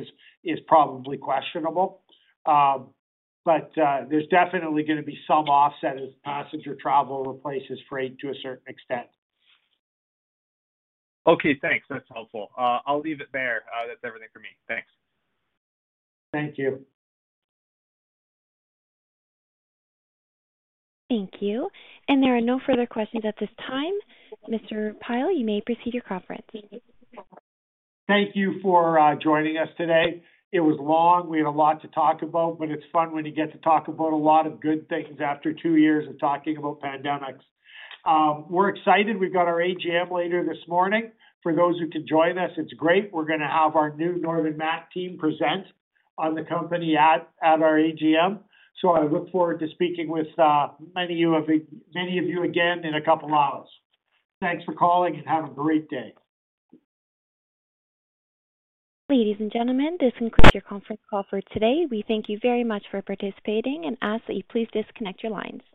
is probably questionable. There's definitely gonna be some offset as passenger travel replaces freight to a certain extent. Okay, thanks. That's helpful. I'll leave it there. That's everything for me. Thanks. Thank you. Thank you. There are no further questions at this time. Mr. Pyle, you may proceed with your conference. Thank you for joining us today. It was long. We had a lot to talk about, but it's fun when you get to talk about a lot of good things after two years of talking about pandemics. We're excited. We've got our AGM later this morning. For those who can join us, it's great. We're gonna have our new Northern Mat team present on the company at our AGM. I look forward to speaking with many of you again in a couple hours. Thanks for calling, and have a great day. Ladies and gentlemen, this concludes your conference call for today. We thank you very much for participating and ask that you please disconnect your lines.